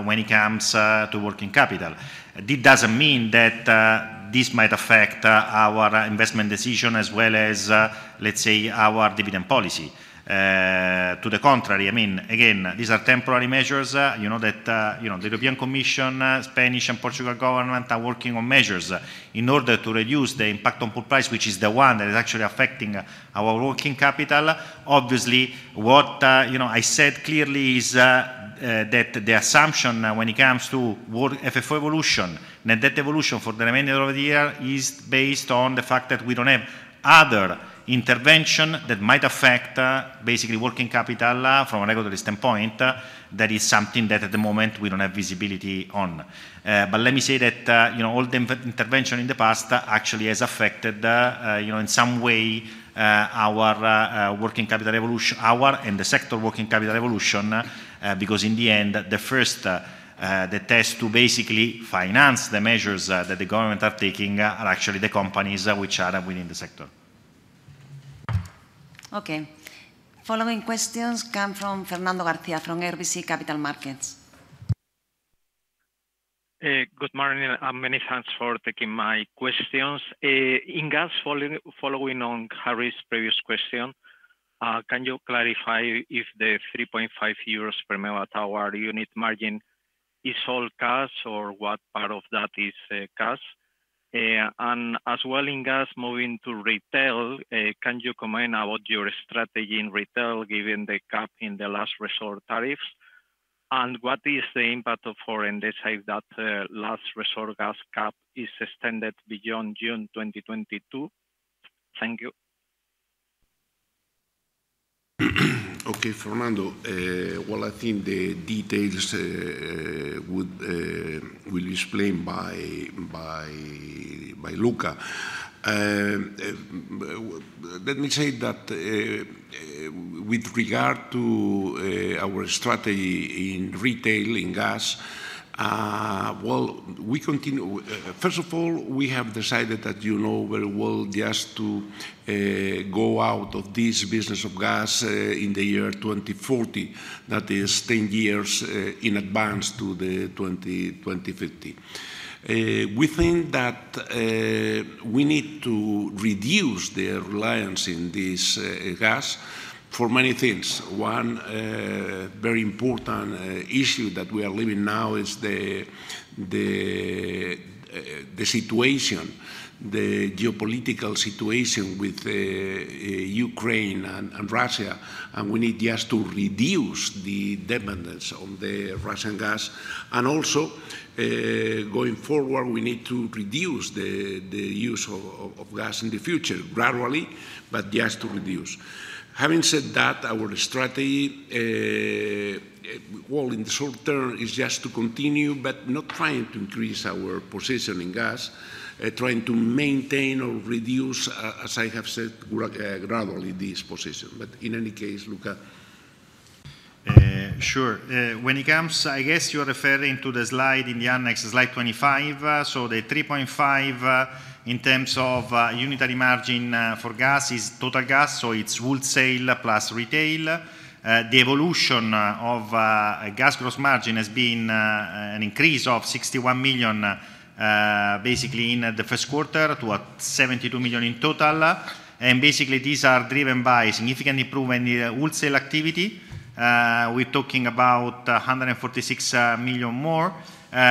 C: when it comes to working capital. It doesn't mean that this might affect our investment decision as well as, let's say, our dividend policy. To the contrary, I mean, again, these are temporary measures, you know that, you know, the European Commission, Spanish and Portuguese governments are working on measures in order to reduce the impact on power price, which is the one that is actually affecting our working capital. Obviously, what you know, I said clearly is that the assumption when it comes to our FFO evolution, net debt evolution for the remainder of the year is based on the fact that we don't have other intervention that might affect basically working capital from a regulatory standpoint. That is something that at the moment we don't have visibility on. Let me say that you know, all the intervention in the past actually has affected you know, in some way our working capital evolution, our and the sector working capital evolution because in the end, the first test to basically finance the measures that the government are taking are actually the companies which are within the sector.
A: Okay. Following questions come from Fernando Garcia from RBC Capital Markets.
I: Good morning, and many thanks for taking my questions. In gas following on Harry's previous question, can you clarify if the 3.5 euros per MWh unit margin is all cash or what part of that is cash? And as well in gas, moving to retail, can you comment about your strategy in retail given the cap in the last resort tariffs? What is the impact if they decide that the last resort gas cap is extended beyond June 2022? Thank you.
B: Okay, Fernando. Well, I think the details will explained by Luca. Let me say that, with regard to our strategy in retail, in gas, well, we continue. First of all, we have decided that you know very well just to go out of this business of gas in the year 2040. That is ten years in advance to the 2050. We think that we need to reduce the reliance in this gas for many things. One very important issue that we are living now is the situation, the geopolitical situation with Ukraine and Russia, and we need just to reduce the dependence on the Russian gas. Going forward, we need to reduce the use of gas in the future, gradually, but just to reduce. Having said that, our strategy, well, in the short term is just to continue, but not trying to increase our position in gas, trying to maintain or reduce, as I have said, gradually this position. In any case, Luca.
C: Sure. When it comes, I guess you're referring to the slide in the annex, slide 25. The 3.5, in terms of, unitary margin, for gas is total gas, so it's wholesale plus retail. The evolution of, gas gross margin has been, an increase of 61 million, basically in the first quarter to, 72 million in total. Basically, these are driven by significant improvement in the wholesale activity. We're talking about 146 million more,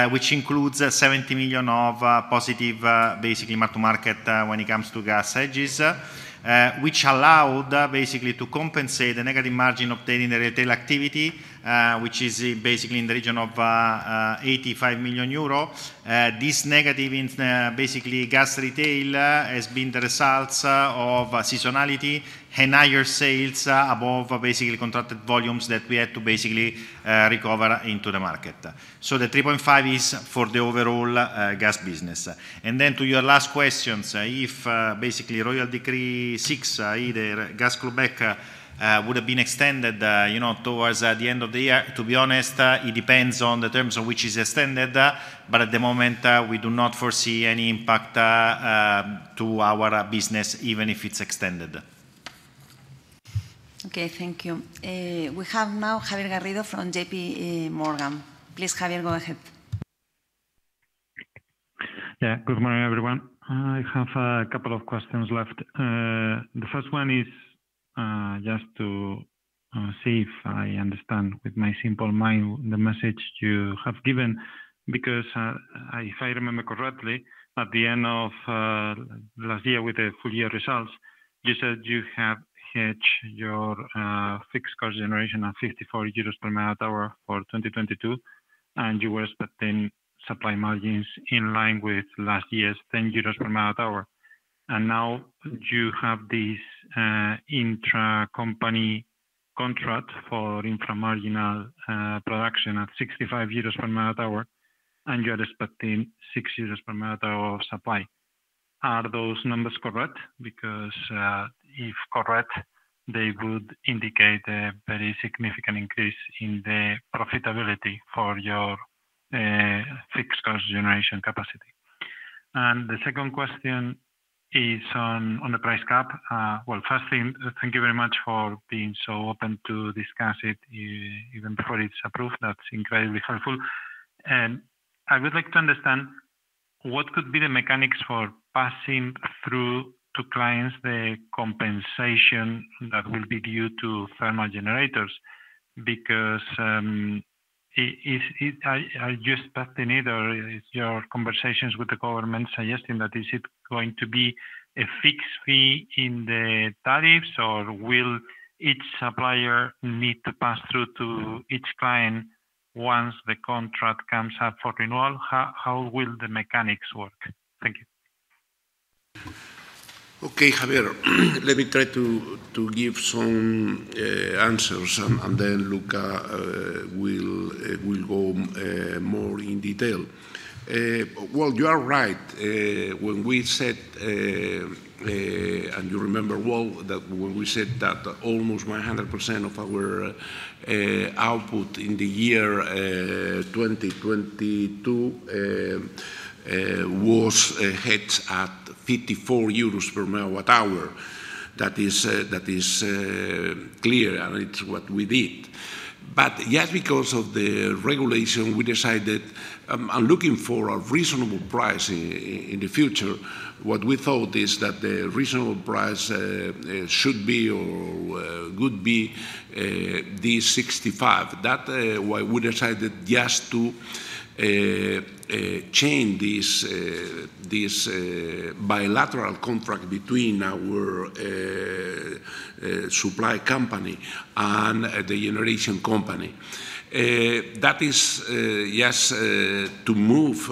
C: which includes 70 million of, positive, basically mark-to-market, when it comes to gas hedges. Which allowed basically to compensate the negative margin obtained in the retail activity, which is basically in the region of, 85 million euro. This negative in basically gas retail has been the results of seasonality and higher sales above basically contracted volumes that we had to basically recover into the market. The 3.5 is for the overall gas business. To your last questions, if basically Royal Decree 6 the gas clawback would have been extended you know towards the end of the year, to be honest it depends on the terms on which is extended but at the moment we do not foresee any impact to our business even if it's extended.
A: Okay, thank you. We have now Javier Garrido from JPMorgan. Please, Javier, go ahead.
J: Good morning, everyone. I have a couple of questions left. The first one is just to see if I understand with my simple mind the message you have given, because if I remember correctly, at the end of last year with the full year results, you said you have hedged your fixed cost generation at 54 euros per megawatt hour for 2022, and you were expecting supply margins in line with last year's 10 euros per megawatt hour. Now you have this intra-company contract for infra-marginal production at 65 euros per megawatt hour, and you're expecting 6 euros per megawatt hour of supply. Are those numbers correct? Because if correct, they would indicate a very significant increase in the profitability for your fixed cost generation capacity. The second question is on the price cap. Well, first thing, thank you very much for being so open to discuss it even before it's approved. That's incredibly helpful. I would like to understand what could be the mechanics for passing through to clients the compensation that will be due to thermal generators because Are you expecting it or is your conversations with the government suggesting that is it going to be a fixed fee in the tariffs, or will each supplier need to pass through to each client once the contract comes up for renewal? How will the mechanics work? Thank you.
B: Okay, Javier. Let me try to give some answers, and then Luca will go more in detail. Well, you are right. You remember well that when we said that almost 100% of our output in the year 2022 was hedged at 54 euros per MWh, that is clear, and it's what we did. Just because of the regulation, we decided on looking for a reasonable price in the future. What we thought is that the reasonable price should be or would be the 65. That's why we decided just to change this bilateral contract between our supply company and the generation company. That is, yes, to move,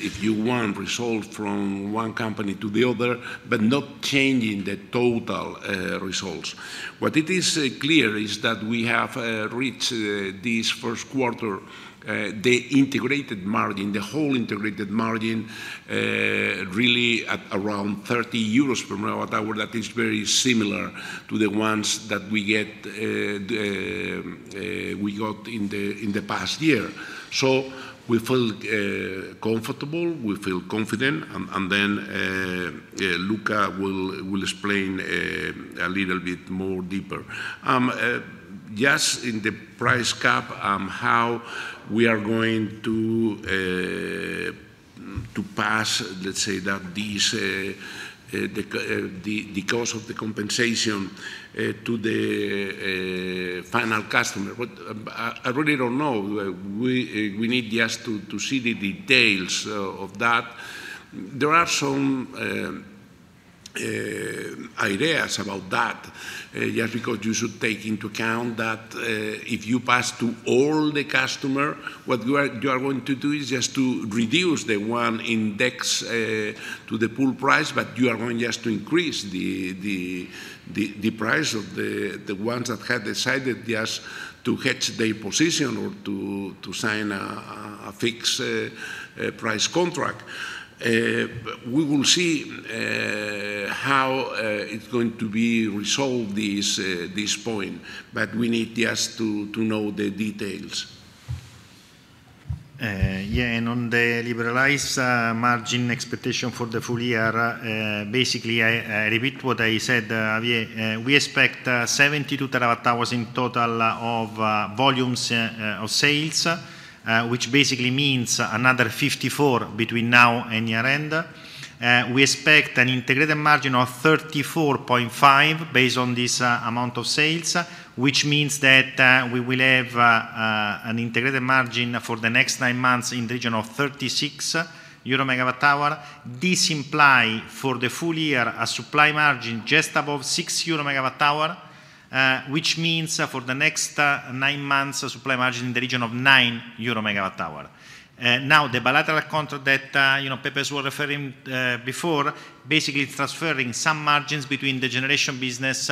B: if you want, result from one company to the other, but not changing the total, results. What it is clear is that we have reached this first quarter the integrated margin, the whole integrated margin, really at around 30 euros per megawatt hour. That is very similar to the ones that we got in the past year. We feel comfortable, we feel confident, and then Luca will explain a little bit more deeper. Just in the price cap, how we are going to pass, let's say that this, the cost of the compensation to the final customer. What I really don't know. We need just to see the details of that. There are some ideas about that. Just because you should take into account that if you pass to all the customer, what you are going to do is just to reduce the one index to the pool price, but you are going just to increase the price of the ones that had decided just to hedge their position or to sign a fixed price contract. We will see how it's going to be resolved, this point, but we need just to know the details.
C: On the liberalized margin expectation for the full year, basically I repeat what I said. We expect 72 TWh in total of volumes of sales, which basically means another 54 between now and year-end. We expect an integrated margin of 34.5 based on this amount of sales, which means that we will have an integrated margin for the next nine months in the region of 36 EUR/MWh. This imply for the full year a supply margin just above 6 EUR/MWh, which means for the next nine months, a supply margin in the region of 9 EUR/MWh. Now the bilateral contract that, you know, Pep was referring before, basically transferring some margins between the generation business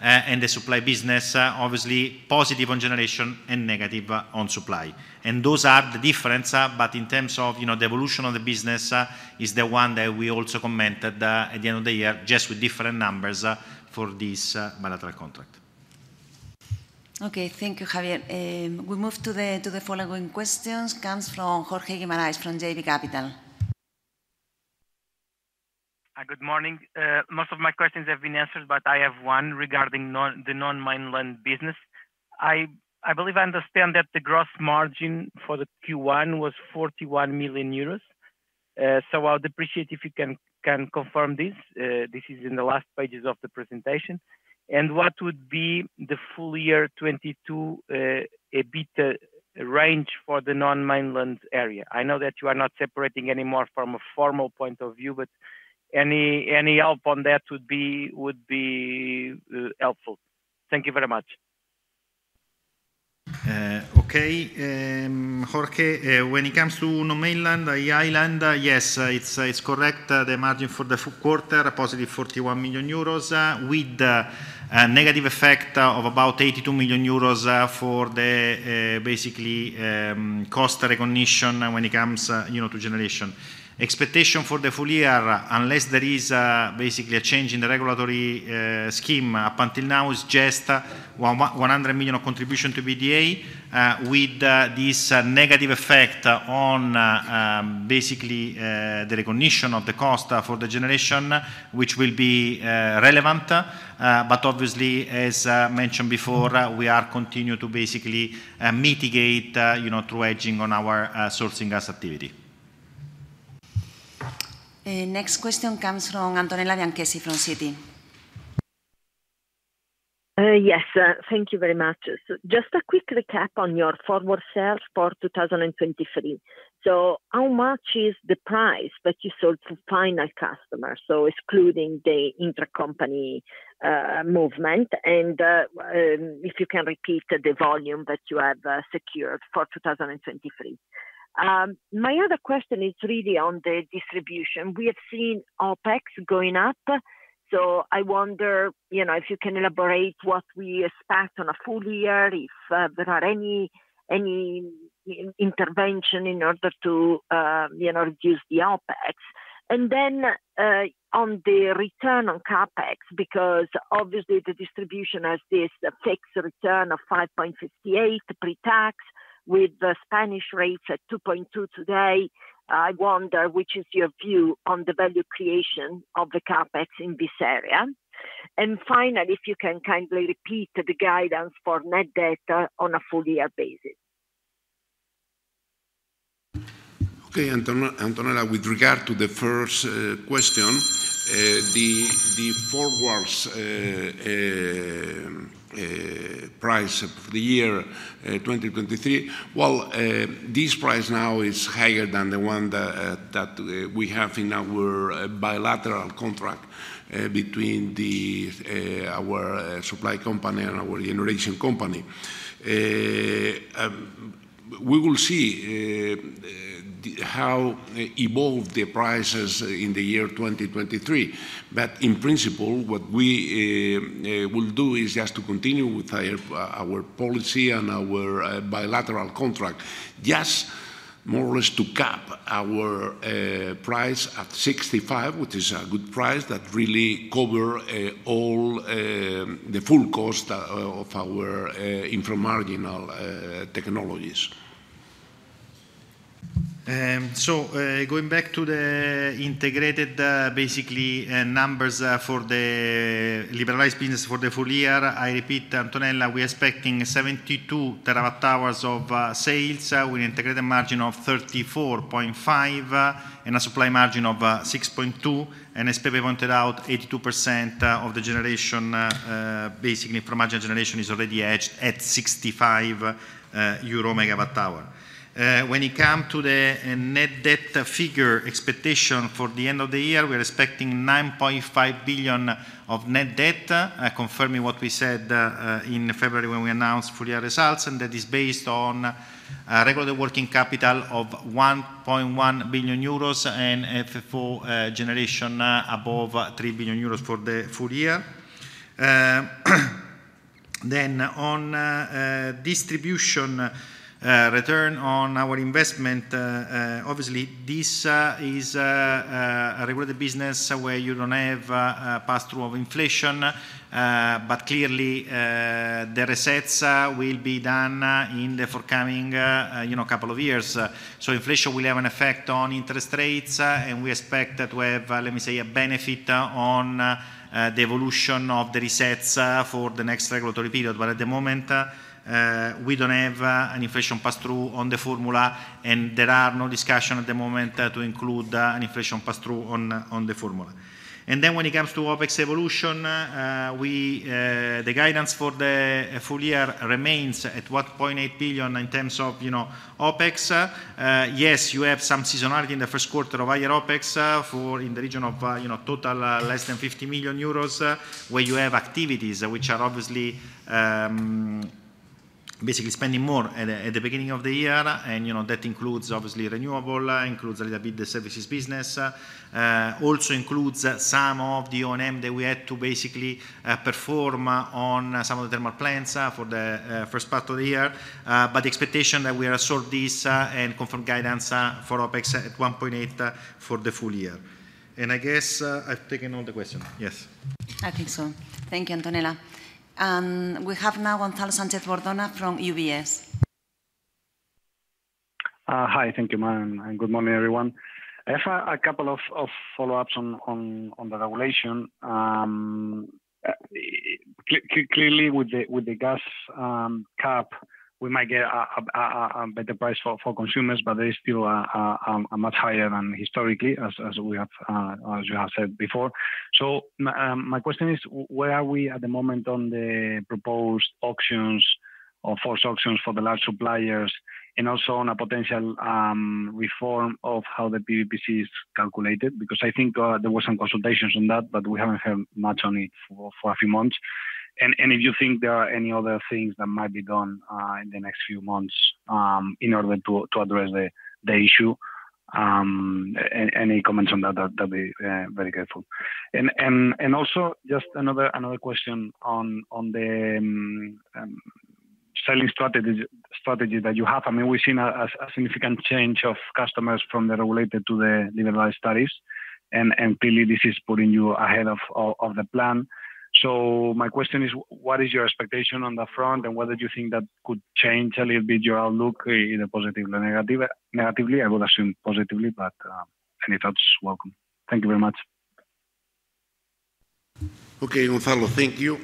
C: and the supply business, obviously positive on generation and negative on supply. Those are the difference, but in terms of, you know, the evolution of the business, is the one that we also commented at the end of the year, just with different numbers for this bilateral contract.
A: Okay. Thank you, Javier. We move to the following questions. Comes from Jorge Guimarães from JB Capital.
K: Hi, good morning. Most of my questions have been answered, but I have one regarding the non-mainland business. I believe I understand that the gross margin for Q1 was 41 million euros. So I would appreciate if you can confirm this. This is in the last pages of the presentation. What would be the full year 2022 EBITDA range for the non-mainland area? I know that you are not separating any more from a formal point of view, but any help on that would be helpful. Thank you very much.
C: Okay. Jorge, when it comes to non-mainland, the island, yes, it's correct. The margin for the full quarter, a positive 41 million euros, with a negative effect of about 82 million euros, for the basically, cost recognition when it comes, you know, to generation. Expectation for the full year, unless there is, basically a change in the regulatory scheme, up until now is just 100 million of contribution to EBITDA, with this negative effect on basically, the recognition of the cost for the generation, which will be relevant. But obviously, as mentioned before, we are continue to basically mitigate, you know, through hedging on our sourcing gas activity.
A: Next question comes from Antonella Bianchessi from Citi.
L: Yes. Thank you very much. Just a quick recap on your forward sales for 2023. How much is the price that you sold to final customer, so excluding the intracompany movement? If you can repeat the volume that you have secured for 2023. My other question is really on the distribution. We have seen OpEx going up, so I wonder, you know, if you can elaborate what we expect on a full year, if there are any intervention in order to, you know, reduce the OpEx. Then, on the return on CapEx, because obviously the distribution as is takes a return of 5.58% pre-tax with the Spanish rates at 2.2% today. I wonder which is your view on the value creation of the CapEx in this area. Finally, if you can kindly repeat the guidance for net debt on a full year basis.
B: Okay, Antonella, with regard to the first question, the forwards price of the year 2023. Well, this price now is higher than the one that we have in our bilateral contract between our supply company and our generation company. We will see how evolved the prices in the year 2023. In principle, what we will do is just to continue with our policy and our bilateral contract. Just more or less to cap our price at 65, which is a good price that really cover all the full cost of our infra-marginal technologies.
C: Going back to the integrated, basically, numbers for the liberalized business for the full year, I repeat, Antonella, we are expecting 72 terawatt-hours of sales, with integrated margin of 34.5, and a supply margin of 6.2. As Pepe pointed out, 82% of the generation, basically from margin generation is already hedged at 65 EUR/MWh. When it come to the net debt figure expectation for the end of the year, we are expecting 9.5 billion of net debt, confirming what we said in February when we announced full year results, and that is based on regular working capital of 1.1 billion euros and FFO generation above 3 billion euros for the full year. On distribution return on our investment, obviously this is a regulated business where you don't have a pass-through of inflation. Clearly, the resets will be done in the forthcoming, you know, couple of years. Inflation will have an effect on interest rates, and we expect that we have, let me say, a benefit on the evolution of the resets for the next regulatory period. At the moment, we don't have an inflation pass-through on the formula, and there are no discussion at the moment to include an inflation pass-through on the formula. When it comes to OpEx evolution, the guidance for the full year remains at 1.8 billion in terms of, you know, OpEx. Yes, you have some seasonality in the first quarter of higher OpEx in the region of, you know, less than 50 million euros, where you have activities which are obviously basically spending more at the beginning of the year. You know, that includes obviously renewable, includes a little bit the services business. Also includes some of the O&M that we had to basically perform on some of the thermal plants for the first part of the year. The expectation that we are sort of and confirm guidance for OpEx at 1.8 for the full year. I guess, I've taken all the questions. Yes.
A: I think so. Thank you, Antonella. We have now Gonzalo Sanchez-Bordona from UBS.
M: Hi. Thank you, ma'am, and good morning, everyone. I have a couple of follow-ups on the regulation. Clearly, with the gas cap, we might get a better price for consumers, but they still are much higher than historically as you have said before. My question is, where are we at the moment on the proposed auctions or forced auctions for the large suppliers? And also on a potential reform of how the PVPC is calculated, because I think there was some consultations on that, but we haven't heard much on it for a few months. If you think there are any other things that might be done in the next few months in order to address the issue, any comments on that'd very grateful. Also just another question on the selling strategy that you have. I mean, we've seen a significant change of customers from the regulated to the liberalized side, and clearly this is putting you ahead of the plan. My question is, what is your expectation on that front, and whether do you think that could change a little bit your outlook, either positive or negative? Negatively, I would assume positively, but any thoughts welcome. Thank you very much.
B: Okay, Gonzalo. Thank you.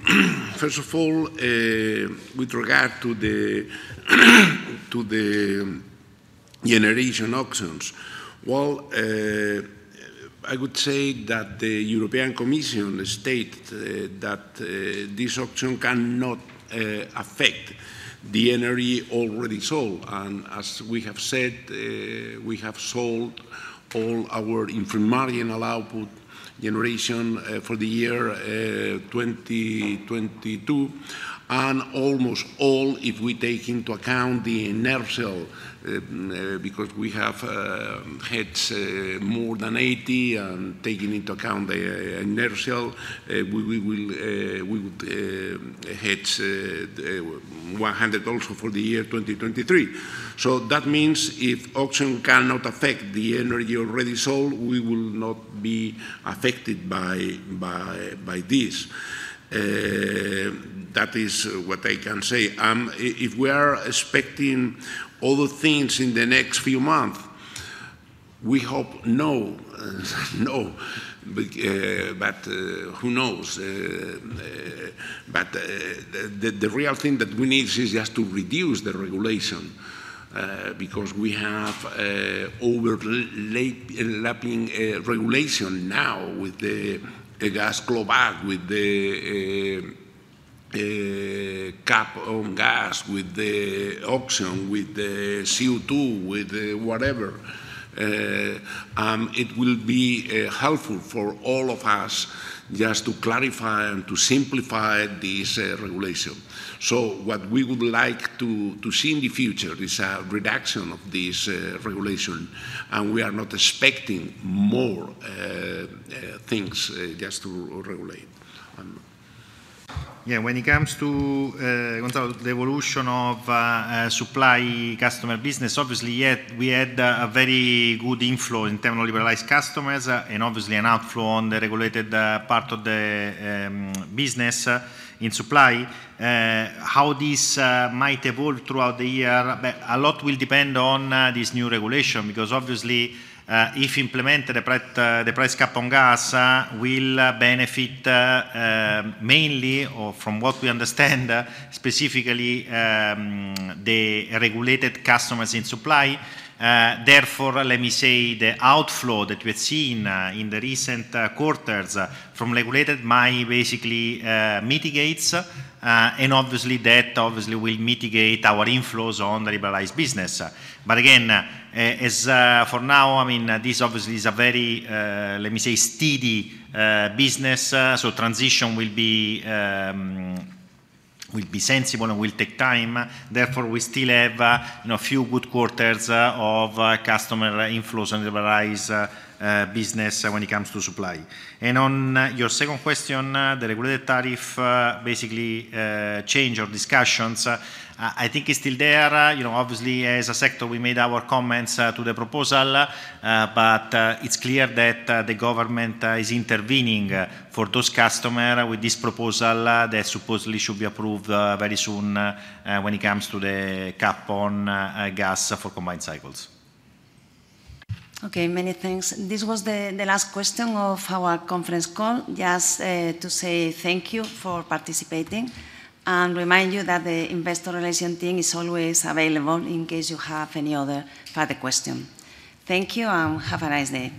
B: First of all, with regard to the generation auctions, well, I would say that the European Commission has stated that this auction cannot affect the energy already sold. As we have said, we have sold all our inframarginal output generation for the year 2022, and almost all if we take into account the inertial. Because we have hedged more than 80%, and taking into account the inertial, we would hedge 100% also for the year 2023. That means if auction cannot affect the energy already sold, we will not be affected by this. That is what I can say. If we are expecting other things in the next few months, we hope no. No. Who knows? The real thing that we need is just to reduce the regulation because we have overlapping regulation now with the gas clawback, with the cap on gas, with the auction, with the CO2, with the whatever. It will be helpful for all of us just to clarify and to simplify this regulation. What we would like to see in the future is a reduction of this regulation, and we are not expecting more things just to regulate.
C: Yeah. When it comes to, Gonzalo, the evolution of supply customer business, obviously yet we had a very good inflow in terms of liberalized customers, and obviously an outflow on the regulated part of the business in supply. How this might evolve throughout the year, a lot will depend on this new regulation because obviously, if implemented, the price cap on gas will benefit mainly, or from what we understand, specifically the regulated customers in supply. Therefore, let me say the outflow that we've seen in the recent quarters from regulated might basically mitigate, and obviously that will mitigate our inflows on liberalized business. But again, as for now, I mean, this obviously is a very let me say steady business. Transition will be sensible and will take time. Therefore, we still have, you know, few good quarters of customer inflows and liberalized business when it comes to supply. On your second question, the regulated tariff basically change or discussions, I think it's still there. You know, obviously as a sector, we made our comments to the proposal, but it's clear that the government is intervening for those customer with this proposal that supposedly should be approved very soon when it comes to the cap on gas for combined cycles.
A: Okay. Many thanks. This was the last question of our conference call. Just to say thank you for participating and remind you that the investor relations team is always available in case you have any other further question. Thank you, and have a nice day.